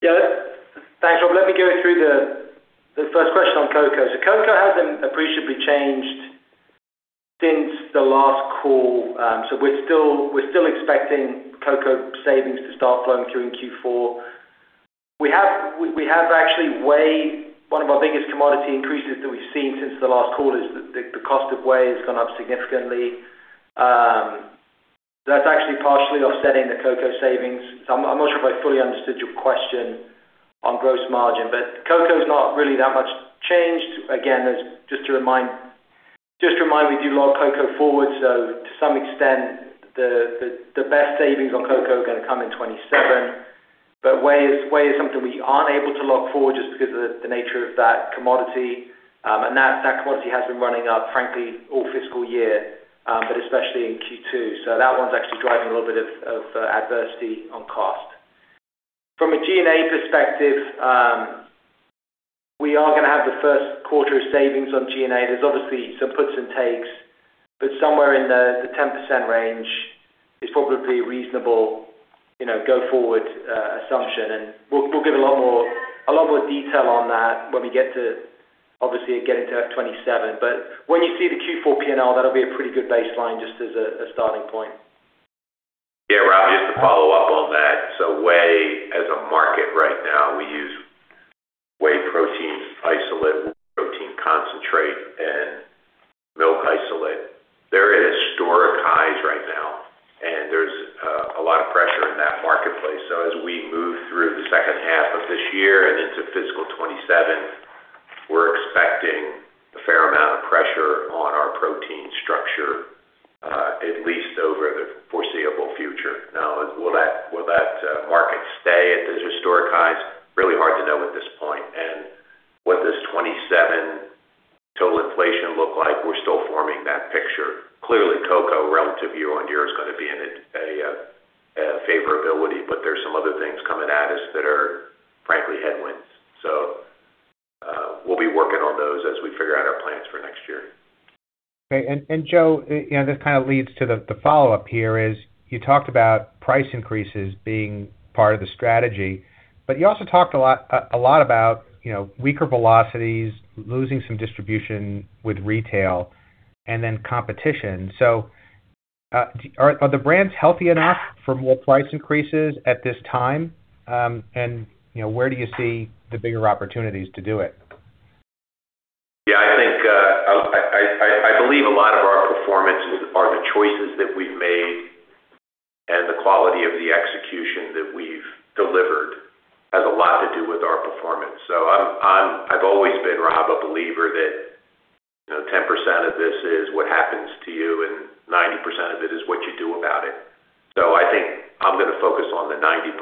Yeah. Thanks, Rob. Let me go through the first question on cocoa. Cocoa hasn't appreciably changed since the last call, so we're still expecting cocoa savings to start flowing through in Q4. One of our biggest commodity increases that we've seen since the last quarter is the cost of whey has gone up significantly. That's actually partially offsetting the cocoa savings. I'm not sure if I fully understood your question on gross margin, but cocoa's not really that much changed. Again, just a reminder, we do lock cocoa forward, so to some extent, the best savings on cocoa are going to come in 2027. Whey is something we aren't able to lock forward just because of the nature of that commodity. That commodity has been running up, frankly, all fiscal year, but especially in Q2. That one's actually driving a little bit of adversity on cost. From a G&A perspective, we are going to have the first quarter of savings on G&A. There's obviously some puts and takes, but somewhere in the 10% range is probably a reasonable go forward assumption, and we'll give a lot more detail on that when we get into 2027. When you see the Q4 P&L, that'll be a pretty good baseline just as a starting point. Yeah, Rob, just to follow up on that. Whey as a market right now, we use whey protein isolate, whey protein concentrate, and milk isolate. They're at historic highs right now, and there's a lot of pressure in that marketplace. As we move through the second half of this year and into fiscal 2027, we're expecting a fair amount of pressure on our protein structure, at least over the foreseeable future. Now, will that market stay at those historic highs? Really hard to know at this point. What does 2027 total inflation look like? We're still forming that picture. Clearly, cocoa relative year-on-year is going to be in a favorability, but there's some other things coming at us that are frankly headwinds. We'll be working on those as we figure out our plans for next year. Okay. Joe, this kind of leads to the follow-up here is you talked about price increases being part of the strategy, but you also talked a lot about weaker velocities, losing some distribution with retail and then competition. Are the brands healthy enough for more price increases at this time? Where do you see the bigger opportunities to do it? Yeah, I believe a lot of our performances are the choices that we've made, and the quality of the execution that we've delivered has a lot to do with our performance. I've always been, Rob, a believer that 10% of this is what happens to you and 90% of it is what you do about it. I think I'm going to focus on the 90%.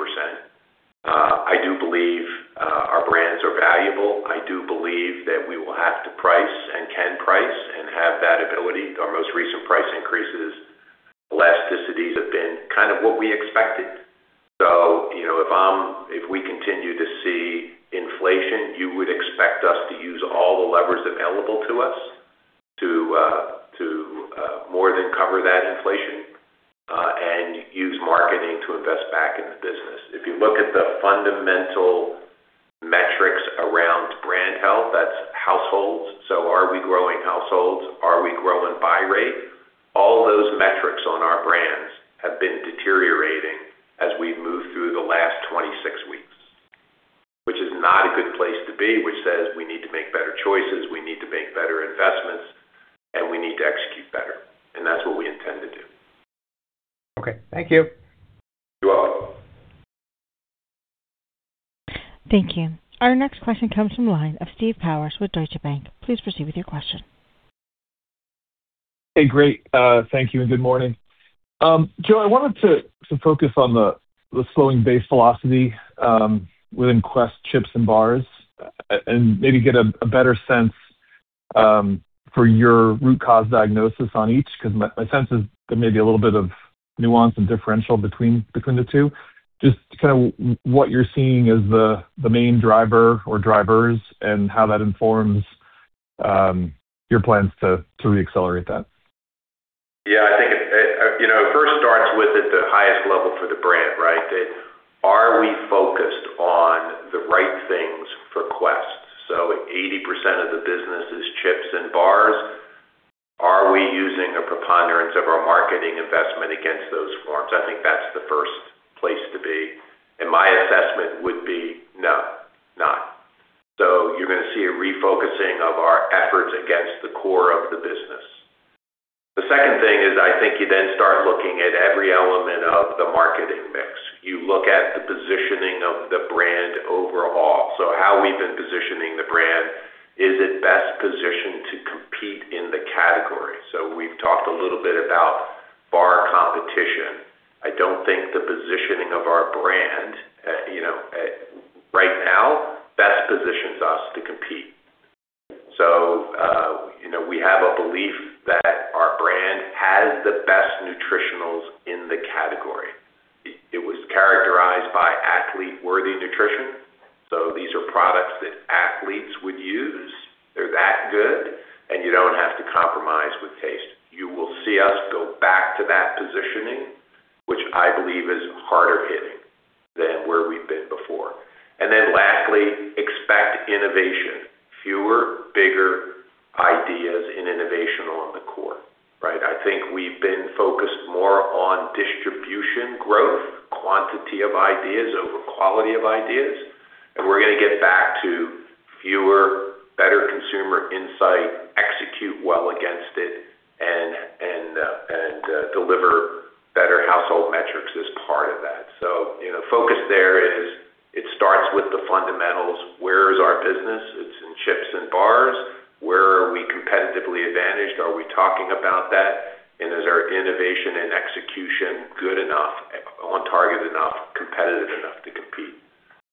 I do believe our brands are valuable. I do believe that we will have to price and can price and have that ability. Our most recent price increases, elasticities have been kind of what we expected. If we continue to see inflation, you would expect us to use all the levers available to us to more than cover that inflation, and use marketing to invest back in the business. If you look at the fundamental metrics around brand health, that's households. Are we growing households? Are we growing buy rate? All those metrics on our brands have been deteriorating as we've moved through the last 26 weeks, which is not a good place to be, which says we need to make better choices, we need to make better investments, and we need to execute better, and that's what we intend to do. Okay. Thank you. You're welcome. Thank you. Our next question comes from the line of Steve Powers with Deutsche Bank. Please proceed with your question. Hey, great. Thank you and good morning. Joe, I wanted to focus on the slowing base velocity within Quest Chips and Bars and maybe get a better sense for your root cause diagnosis on each, because my sense is there may be a little bit of nuance and differential between the two. Just kind of what you're seeing as the main driver or drivers and how that informs your plans to re-accelerate that? Yeah, I think it first starts with at the highest level for the brand, right? Are we focused on the right things for Quest? 80% of the business is chips and bars. Is our marketing investment against those formats, I think that's the first place to be, and my assessment would be no, not. You're going to see a refocusing of our efforts against the core of the business. The second thing is, I think you then start looking at every element of the marketing mix. You look at the positioning of the brand overall. How we've been positioning the brand, is it best positioned to compete in the category? We've talked a little bit about bar competition. I don't think the positioning of our brand right now best positions us to compete. We have a belief that our brand has the best nutritionals in the category. It was characterized by athlete-worthy nutrition. These are products that athletes would use. They're that good, and you don't have to compromise with taste. You will see us go back to that positioning, which I believe is harder hitting than where we've been before. Lastly, expect innovation. Fewer, bigger ideas in innovation on the core, right? I think we've been focused more on distribution growth, quantity of ideas over quality of ideas, and we're going to get back to fewer, better consumer insight, execute well against it, and deliver better household metrics as part of that. Focus there is it starts with the fundamentals. Where is our business? It's in chips and bars. Where are we competitively advantaged? Are we talking about that? Is our innovation and execution good enough, on target enough, competitive enough to compete?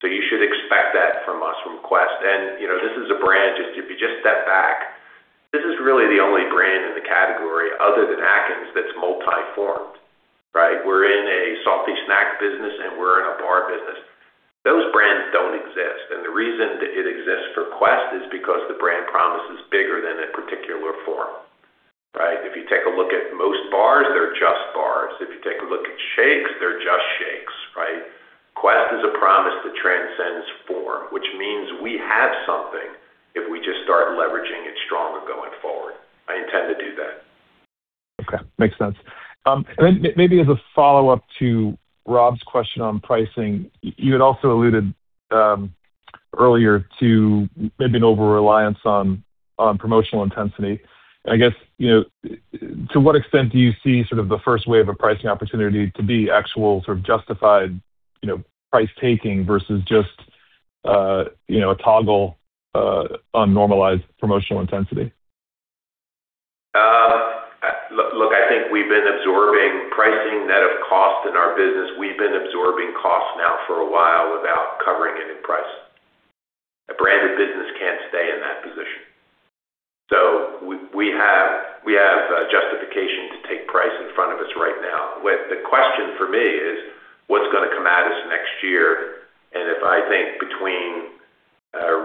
You should expect that from us, from Quest. This is a brand, if you just step back, this is really the only brand in the category other than Atkins that's multi-formed. Right? We're in a salty snack business and we're in a bar business. Those brands don't exist. The reason that it exists for Quest is because the brand promise is bigger than a particular form. Right? If you take a look at most bars, they're just bars. If you take a look at shakes, they're just shakes. Right? Quest is a promise that transcends form, which means we have something if we just start leveraging it stronger going forward. I intend to do that. Okay, makes sense. Maybe as a follow-up to Rob's question on pricing. You had also alluded earlier to maybe an overreliance on promotional intensity. I guess, to what extent do you see sort of the first wave of a pricing opportunity to be actual sort of justified price taking versus just a toggle on normalized promotional intensity? Look, I think we've been absorbing pricing net of cost in our business. We've been absorbing costs now for a while without covering it in pricing. A branded business can't stay in that position. We have justification to take price in front of us right now. The question for me is, what's going to come at us next year? If I think between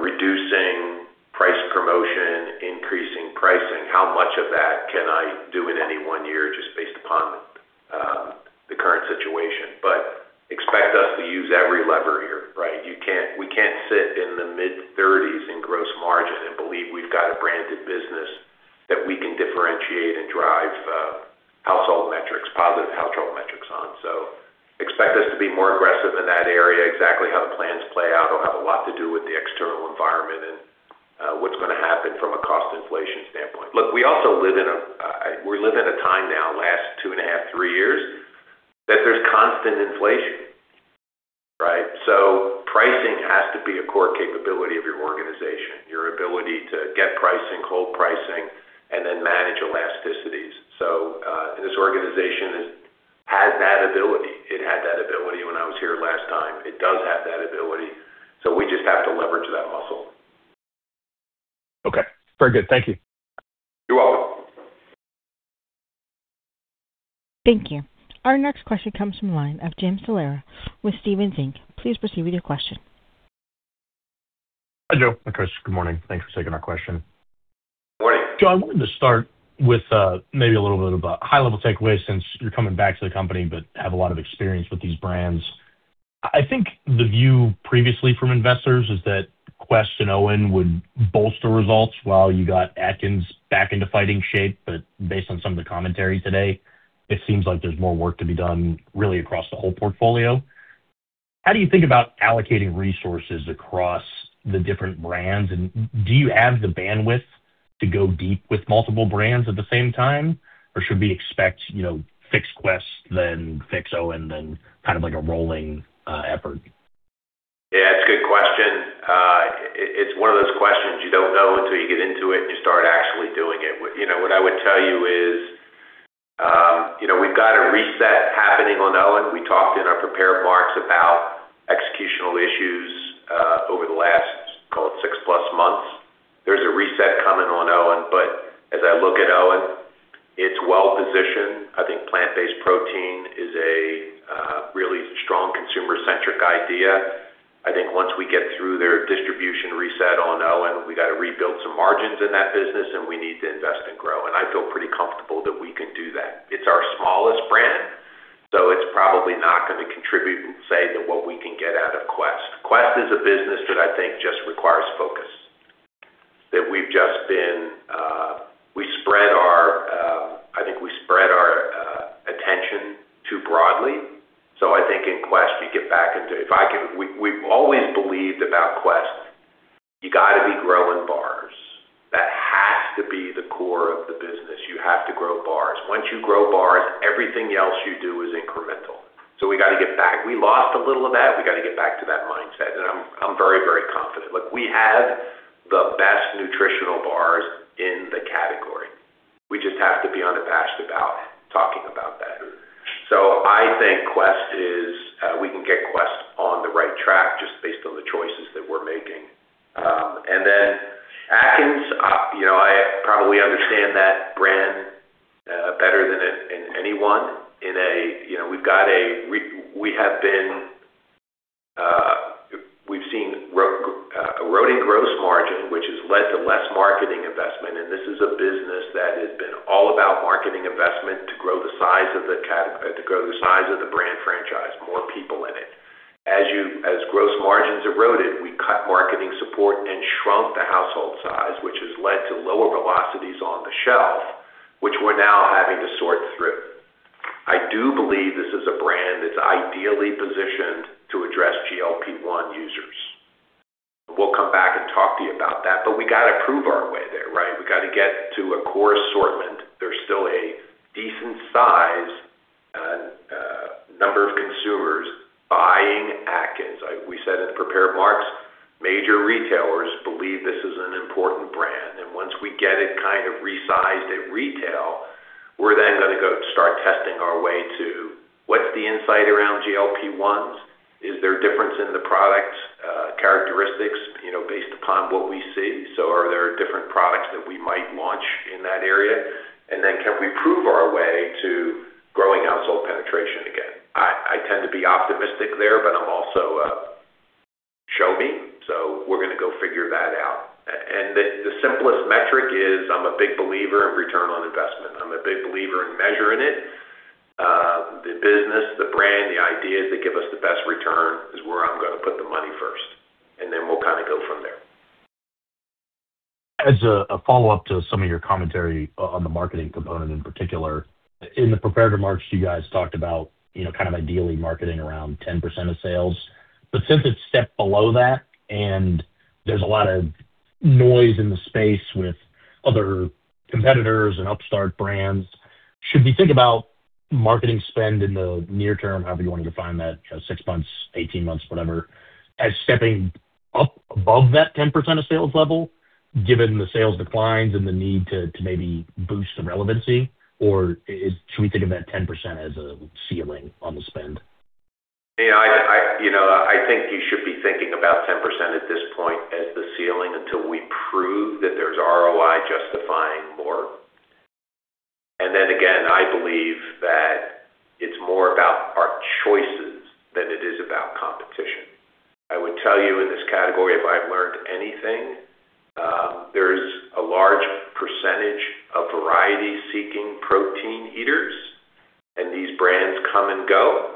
reducing price promotion, increasing pricing, how much of that can I do in any one year just based upon the current situation? Expect us to use every lever here, right? We can't sit in the mid-30s in gross margin and believe we've got a branded business that we can differentiate and drive household metrics, positive household metrics on. Expect us to be more aggressive in that area. Exactly how the plans play out will have a lot to do with the external environment and what's going to happen from a cost inflation standpoint. Look, we also live in a time now, last 2.5, three years, that there's constant inflation, right? Pricing has to be a core capability of your organization, your ability to get pricing, hold pricing, and then manage elasticities. This organization has that ability. It had that ability when I was here last time. It does have that ability. We just have to leverage that muscle. Okay, very good. Thank you. You're welcome. Thank you. Our next question comes from the line of Jim Salera with Stephens Inc. Please proceed with your question. Hi, Joe and Chris, good morning. Thanks for taking our question. Morning. Joe, I wanted to start with maybe a little bit of a high-level takeaway since you're coming back to the company but have a lot of experience with these brands. I think the view previously from investors is that Quest and OWYN would bolster results while you got Atkins back into fighting shape. Based on some of the commentary today, it seems like there's more work to be done really across the whole portfolio. How do you think about allocating resources across the different brands, and do you have the bandwidth to go deep with multiple brands at the same time? Or should we expect fix Quest, then fix OWYN, then kind of like a rolling effort? Yeah, that's a good question. It's one of those questions you don't know until you get into it and you start actually doing it. What I would tell you is we've got a reset happening on OWYN. We talked in our prepared remarks about executional issues over the last, call it 6+ months. There's a reset coming on OWYN. But as I look at OWYN, it's well-positioned. I think plant-based protein is a really strong consumer-centric idea. I think once we get through their distribution reset on OWYN, we got to rebuild some margins in that business and we need to invest and grow. I feel pretty comfortable that we can do that. It's our smallest brand, so it's probably not going to contribute the same to what we can get out of Quest. Quest is a business that I think just requires focus. I think we spread our attention too broadly. I think in Quest, you get back into, we've always believed about Quest, you got to be growing bars. That has to be the core of the business. You have to grow bars. Once you grow bars, everything else you do is incremental. We got to get back. We lost a little of that. We got to get back to that mindset, and I'm very confident. Look, we have the best nutritional bars in the category. We just have to be passionate about talking about that. Mm-hmm. I think we can get Quest on the right track just based on the choices that we're making. Atkins, I probably understand that brand better than anyone. We've seen eroding gross margin, which has led to less marketing investment, and this is a business that has been all about marketing investment to grow the size of the brand franchise, more people in it. As gross margins eroded, we cut marketing support and shrunk the household size, which has led to lower velocities on the shelf, which we're now having to sort through. I do believe this is a brand that's ideally positioned to address GLP-1 users. We'll come back and talk to you about that, but we got to prove our way there. We got to get to a core assortment. There's still a decent size number of consumers buying Atkins. We said in the prepared remarks, major retailers believe this is an important brand. Once we get it resized at retail, we're then going to go start testing our way to what's the insight around GLP-1s. Is there a difference in the product characteristics based upon what we see? Are there different products that we might launch in that area? Can we prove our way to growing household penetration again? I tend to be optimistic there, but I'm also show me. We're going to go figure that out. The simplest metric is I'm a big believer in return on investment. I'm a big believer in measuring it. The business, the brand, the ideas that give us the best return is where I'm going to put the money first, and then we'll go from there. As a follow-up to some of your commentary on the marketing component in particular, in the prepared remarks, you guys talked about ideally marketing around 10% of sales. But since it's stepped below that and there's a lot of noise in the space with other competitors and upstart brands, should we think about marketing spend in the near term, however you want to define that, six months, 18 months, whatever, as stepping up above that 10% of sales level, given the sales declines and the need to maybe boost the relevancy? Or should we think of that 10% as a ceiling on the spend? I think you should be thinking about 10% at this point as the ceiling until we prove that there's ROI justifying more. Then again, I believe that it's more about our choices than it is about competition. I would tell you in this category, if I've learned anything, there is a large percentage of variety-seeking protein eaters, and these brands come and go.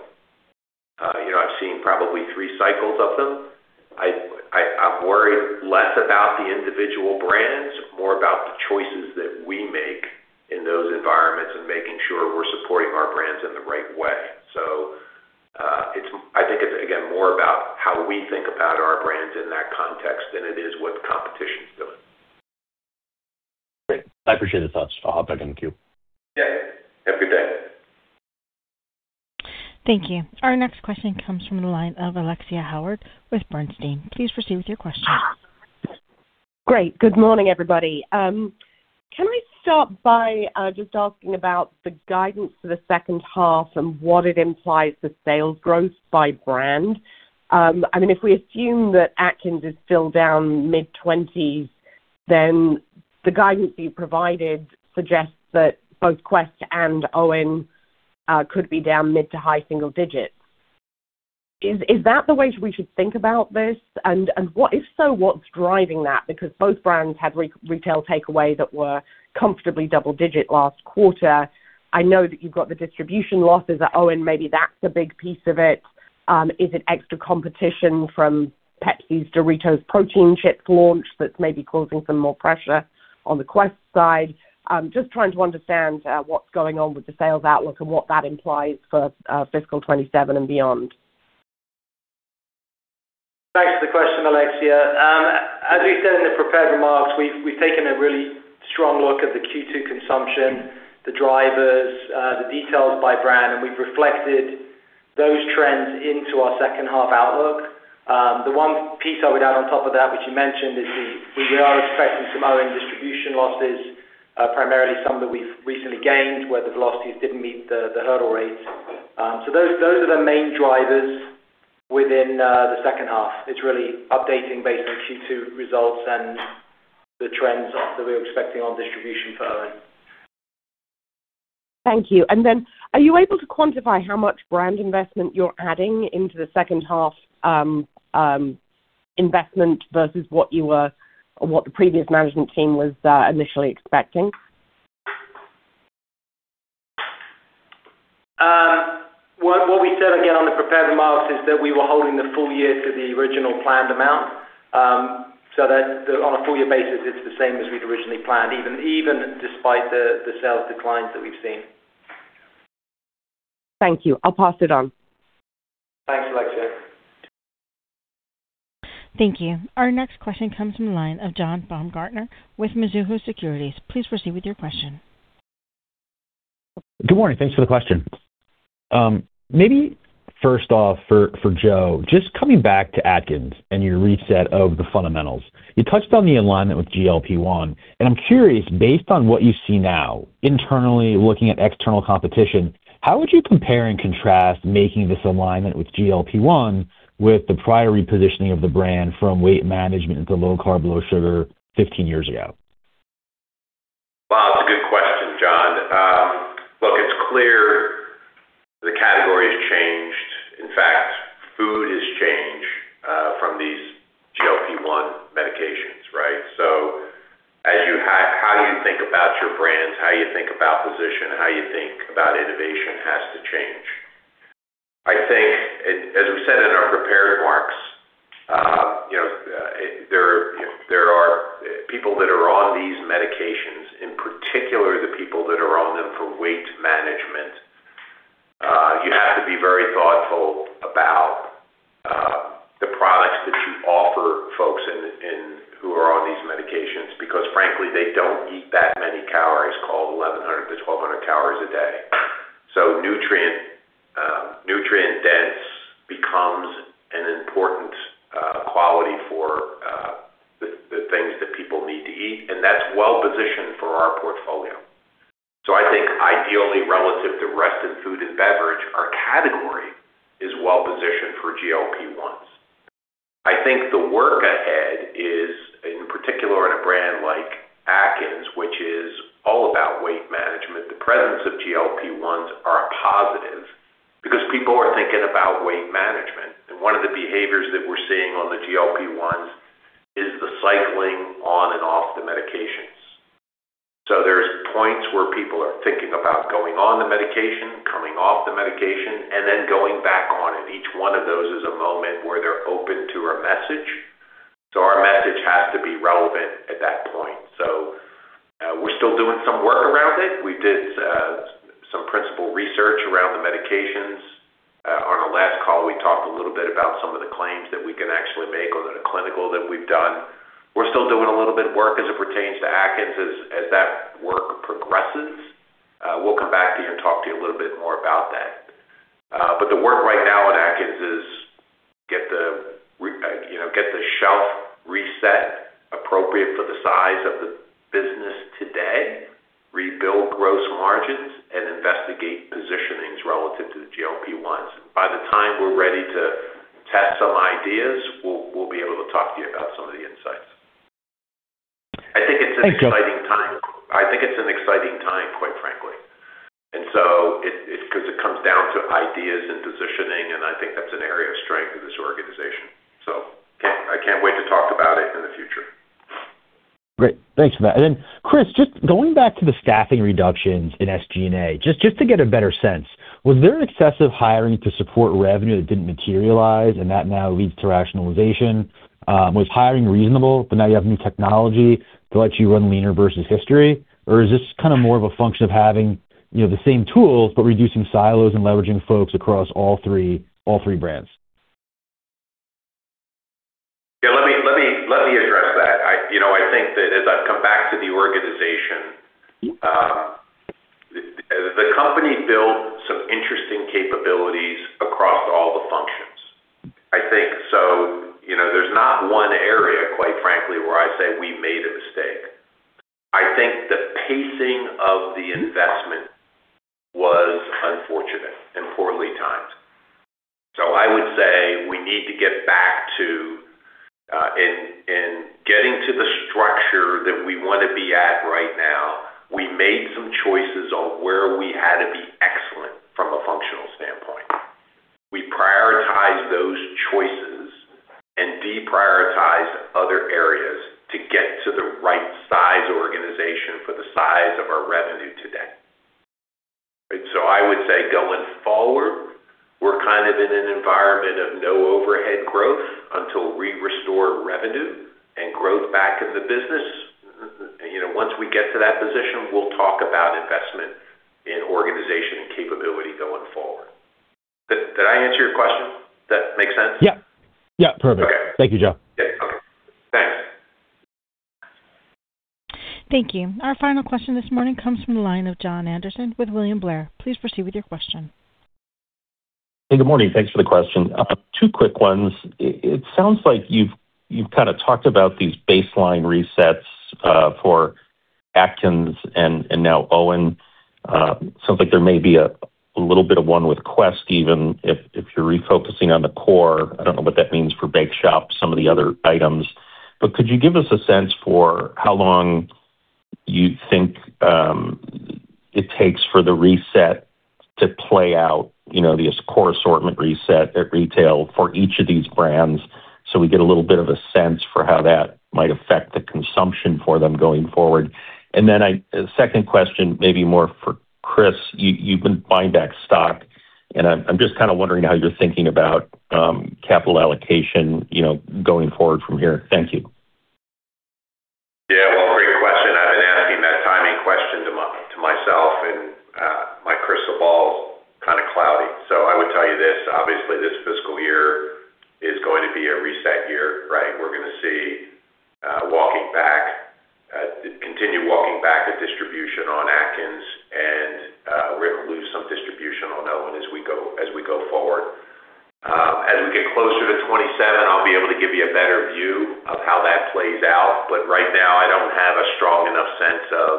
I've seen probably three cycles of them. I'm worried less about the individual brands, more about the choices that we make in those environments and making sure we're supporting our brands in the right way. I think it's, again, more about how we think about our brands in that context than it is what the competition's doing. Great. I appreciate the thoughts. I'll hop back in the queue. Yeah. Have a good day. Thank you. Our next question comes from the line of Alexia Howard with Bernstein. Please proceed with your question. Great. Good morning, everybody. Can we start by just asking about the guidance for the second half and what it implies for sales growth by brand? If we assume that Atkins is still down mid-20s, then the guidance you provided suggests that both Quest and OWYN could be down mid- to high-single digits. Is that the way we should think about this? And if so, what's driving that? Because both brands had retail takeaways that were comfortably double-digit last quarter. I know that you've got the distribution losses at OWYN. Maybe that's a big piece of it. Is it extra competition from Pepsi's Doritos Protein Chips launch that's maybe causing some more pressure on the Quest side? Just trying to understand what's going on with the sales outlook and what that implies for fiscal 2027 and beyond. Thanks for the question, Alexia. As we said in the prepared remarks, we've taken a really strong look at the Q2 consumption, the drivers, the details by brand, and we've reflected those trends into our second half outlook. The one piece I would add on top of that, which you mentioned, is we are expecting some OWYN distribution losses, primarily some that we've recently gained where the velocities didn't meet the hurdle rates. Those are the main drivers within the second half. It's really updating based on Q2 results and the trends that we're expecting on distribution for OWYN. Thank you. Are you able to quantify how much brand investment you're adding into the second half investment versus what the previous management team was initially expecting? What we said again on the prepared remarks is that we were holding the full year to the original planned amount. That on a full year basis, it's the same as we'd originally planned, even despite the sales declines that we've seen. Thank you. I'll pass it on. Thanks, Alexia. Thank you. Our next question comes from the line of John Baumgartner with Mizuho Securities. Please proceed with your question. Good morning. Thanks for the question. Maybe first off, for Joe, just coming back to Atkins and your reset of the fundamentals. You touched on the alignment with GLP-1, and I'm curious, based on what you see now, internally looking at external competition, how would you compare and contrast making this alignment with GLP-1 with the prior repositioning of the brand from weight management to low carb, low sugar 15 years ago? Well, it's a good question, John. Look, it's clear the category has changed. In fact, food has changed from these GLP-1 medications, right? So how you think about your brands, how you think about position, how you think about innovation has to change. I think, as we said in our prepared remarks, there are people that are on these medications, in particular, the people that are on them for weight management. You have to be very thoughtful about the products that you offer folks who are on these medications, because frankly, they don't eat that many calories, call it 1,100-1,200 calories a day. So nutrient-dense becomes an important quality for the things that people need to eat, and that's well-positioned for our portfolio. So I think ideally, relative to the rest of food and beverage, our category is well-positioned for GLP-1s. I think the work ahead is, in particular in a brand like Atkins, which is all about weight management, the presence of GLP-1s are a positive because people are thinking about weight management. One of the behaviors that we're seeing on the GLP-1s is the cycling on and off the medications. There's points where people are thinking about going on the medication, coming off the medication, and then going back on, and each one of those is a moment where they're open to our message. Our message has to be relevant at that point. We're still doing some work around it. We did some primary research around the medications. On our last call, we talked a little bit about some of the claims that we can actually make on the clinical that we've done. We're still doing a little bit of work as it pertains to Atkins as that work progresses. We'll come back to you and talk to you a little bit more about that. The work right now on Atkins is get the shelf reset appropriate for the size of the business today, rebuild gross margins, and investigate positionings relative to the GLP-1s. By the time we're ready to test some ideas, we'll be able to talk to you about some of the insights. Thanks, Joe. I think it's an exciting time, quite frankly. It comes down to ideas and positioning, and I think that's an area of strength of this organization. I can't wait to talk about it in the future. Great. Thanks for that. Chris, just going back to the staffing reductions in SG&A, just to get a better sense, was there excessive hiring to support revenue that didn't materialize and that now leads to rationalization? Was hiring reasonable, but now you have new technology to let you run leaner versus history? Or is this more of a function of having the same tools but reducing silos and leveraging folks across all three brands? Yeah, let me address that. I think that as I've come back to the organization, the company built some interesting capabilities across all the functions. I think so there's not one area, quite frankly, where I say we made a mistake. I think the pacing of the investment was unfortunate and poorly timed. I would say we need to get back to and getting to the structure that we want to be at right now, we made some choices on where we had to be excellent from a functional standpoint. We prioritize those choices and deprioritize other areas to get to the right size organization for the size of our revenue today. I would say going forward, we're in an environment of no overhead growth until we restore revenue and growth back in the business. Once we get to that position, we'll talk about investment in organization and capability going forward. Did I answer your question? That makes sense? Yeah. Perfect. Okay. Thank you, Joe. Okay. Thanks. Thank you. Our final question this morning comes from the line of Jon Andersen with William Blair. Please proceed with your question. Hey, good morning. Thanks for the question. Two quick ones. It sounds like you've talked about these baseline resets for Atkins and now OWYN. Sounds like there may be a little bit of one with Quest, even if you're refocusing on the core. I don't know what that means for Bake Shop, some of the other items. Could you give us a sense for how long you think it takes for the reset to play out, this core assortment reset at retail for each of these brands? We get a little bit of a sense for how that might affect the consumption for them going forward. Then a second question, maybe more for Chris, you've been buying back stock, and I'm just kind of wondering how you're thinking about capital allocation going forward from here. Thank you. Yeah. Well, great question. I've been asking that timing question to myself, and my crystal ball's kind of cloudy. I would tell you this, obviously this fiscal year is going to be a reset year, right? We're going to continue walking back the distribution on Atkins and we're going to lose some distribution on OWYN as we go forward. As we get closer to 2027, I'll be able to give you a better view of how that plays out. Right now, I don't have a strong enough sense of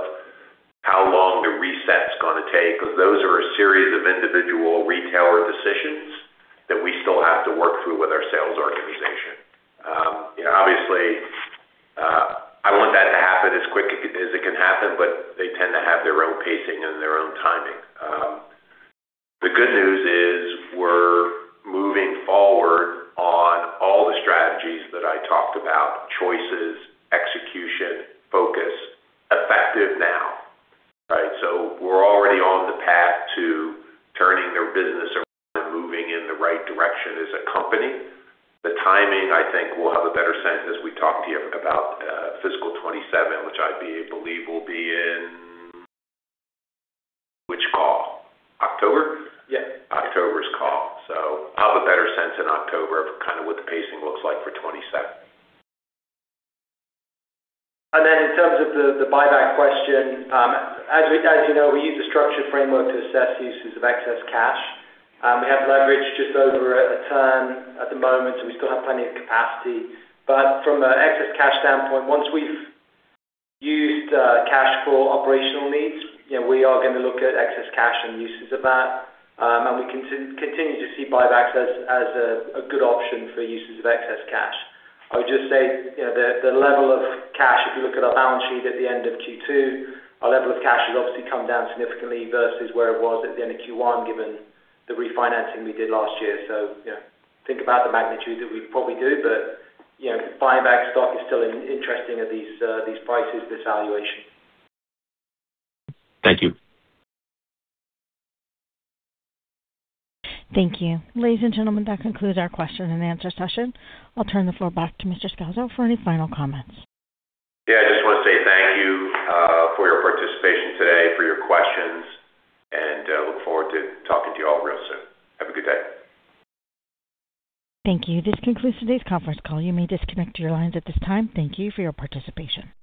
how long the reset's going to take, because those are a series of individual retailer decisions that we still have to work through with our sales organization. Obviously, I want that to happen as quick as it can happen, but they tend to have their own pacing and their own timing. The good news is we're moving forward on all the strategies that I talked about, choices, execution, focus, effective now. Right? We're already on the path to turning their business around and moving in the right direction as a company. The timing, I think, we'll have a better sense as we talk to you about fiscal 2027, which I believe will be in which call? October? Yes. October's call. I'll have a better sense in October of kind of what the pacing looks like for 2027. Then in terms of the buyback question, as you know, we use a structured framework to assess uses of excess cash. We have leverage just over [a ton] at the moment, so we still have plenty of capacity. From an excess cash standpoint, once we've used cash for operational needs, we are going to look at excess cash and uses of that. We continue to see buybacks as a good option for uses of excess cash. I would just say, the level of cash, if you look at our balance sheet at the end of Q2, our level of cash has obviously come down significantly versus where it was at the end of Q1, given the refinancing we did last year. Think about the magnitude that we probably do, but buying back stock is still interesting at these prices, this valuation. Thank you. Thank you. Ladies and gentlemen, that concludes our question-and-answer session. I'll turn the floor back to Mr. Scalzo for any final comments. Yeah, I just want to say thank you for your participation today, for your questions, and I look forward to talking to you all real soon. Have a good day. Thank you. This concludes today's conference call. You may disconnect your lines at this time. Thank you for your participation.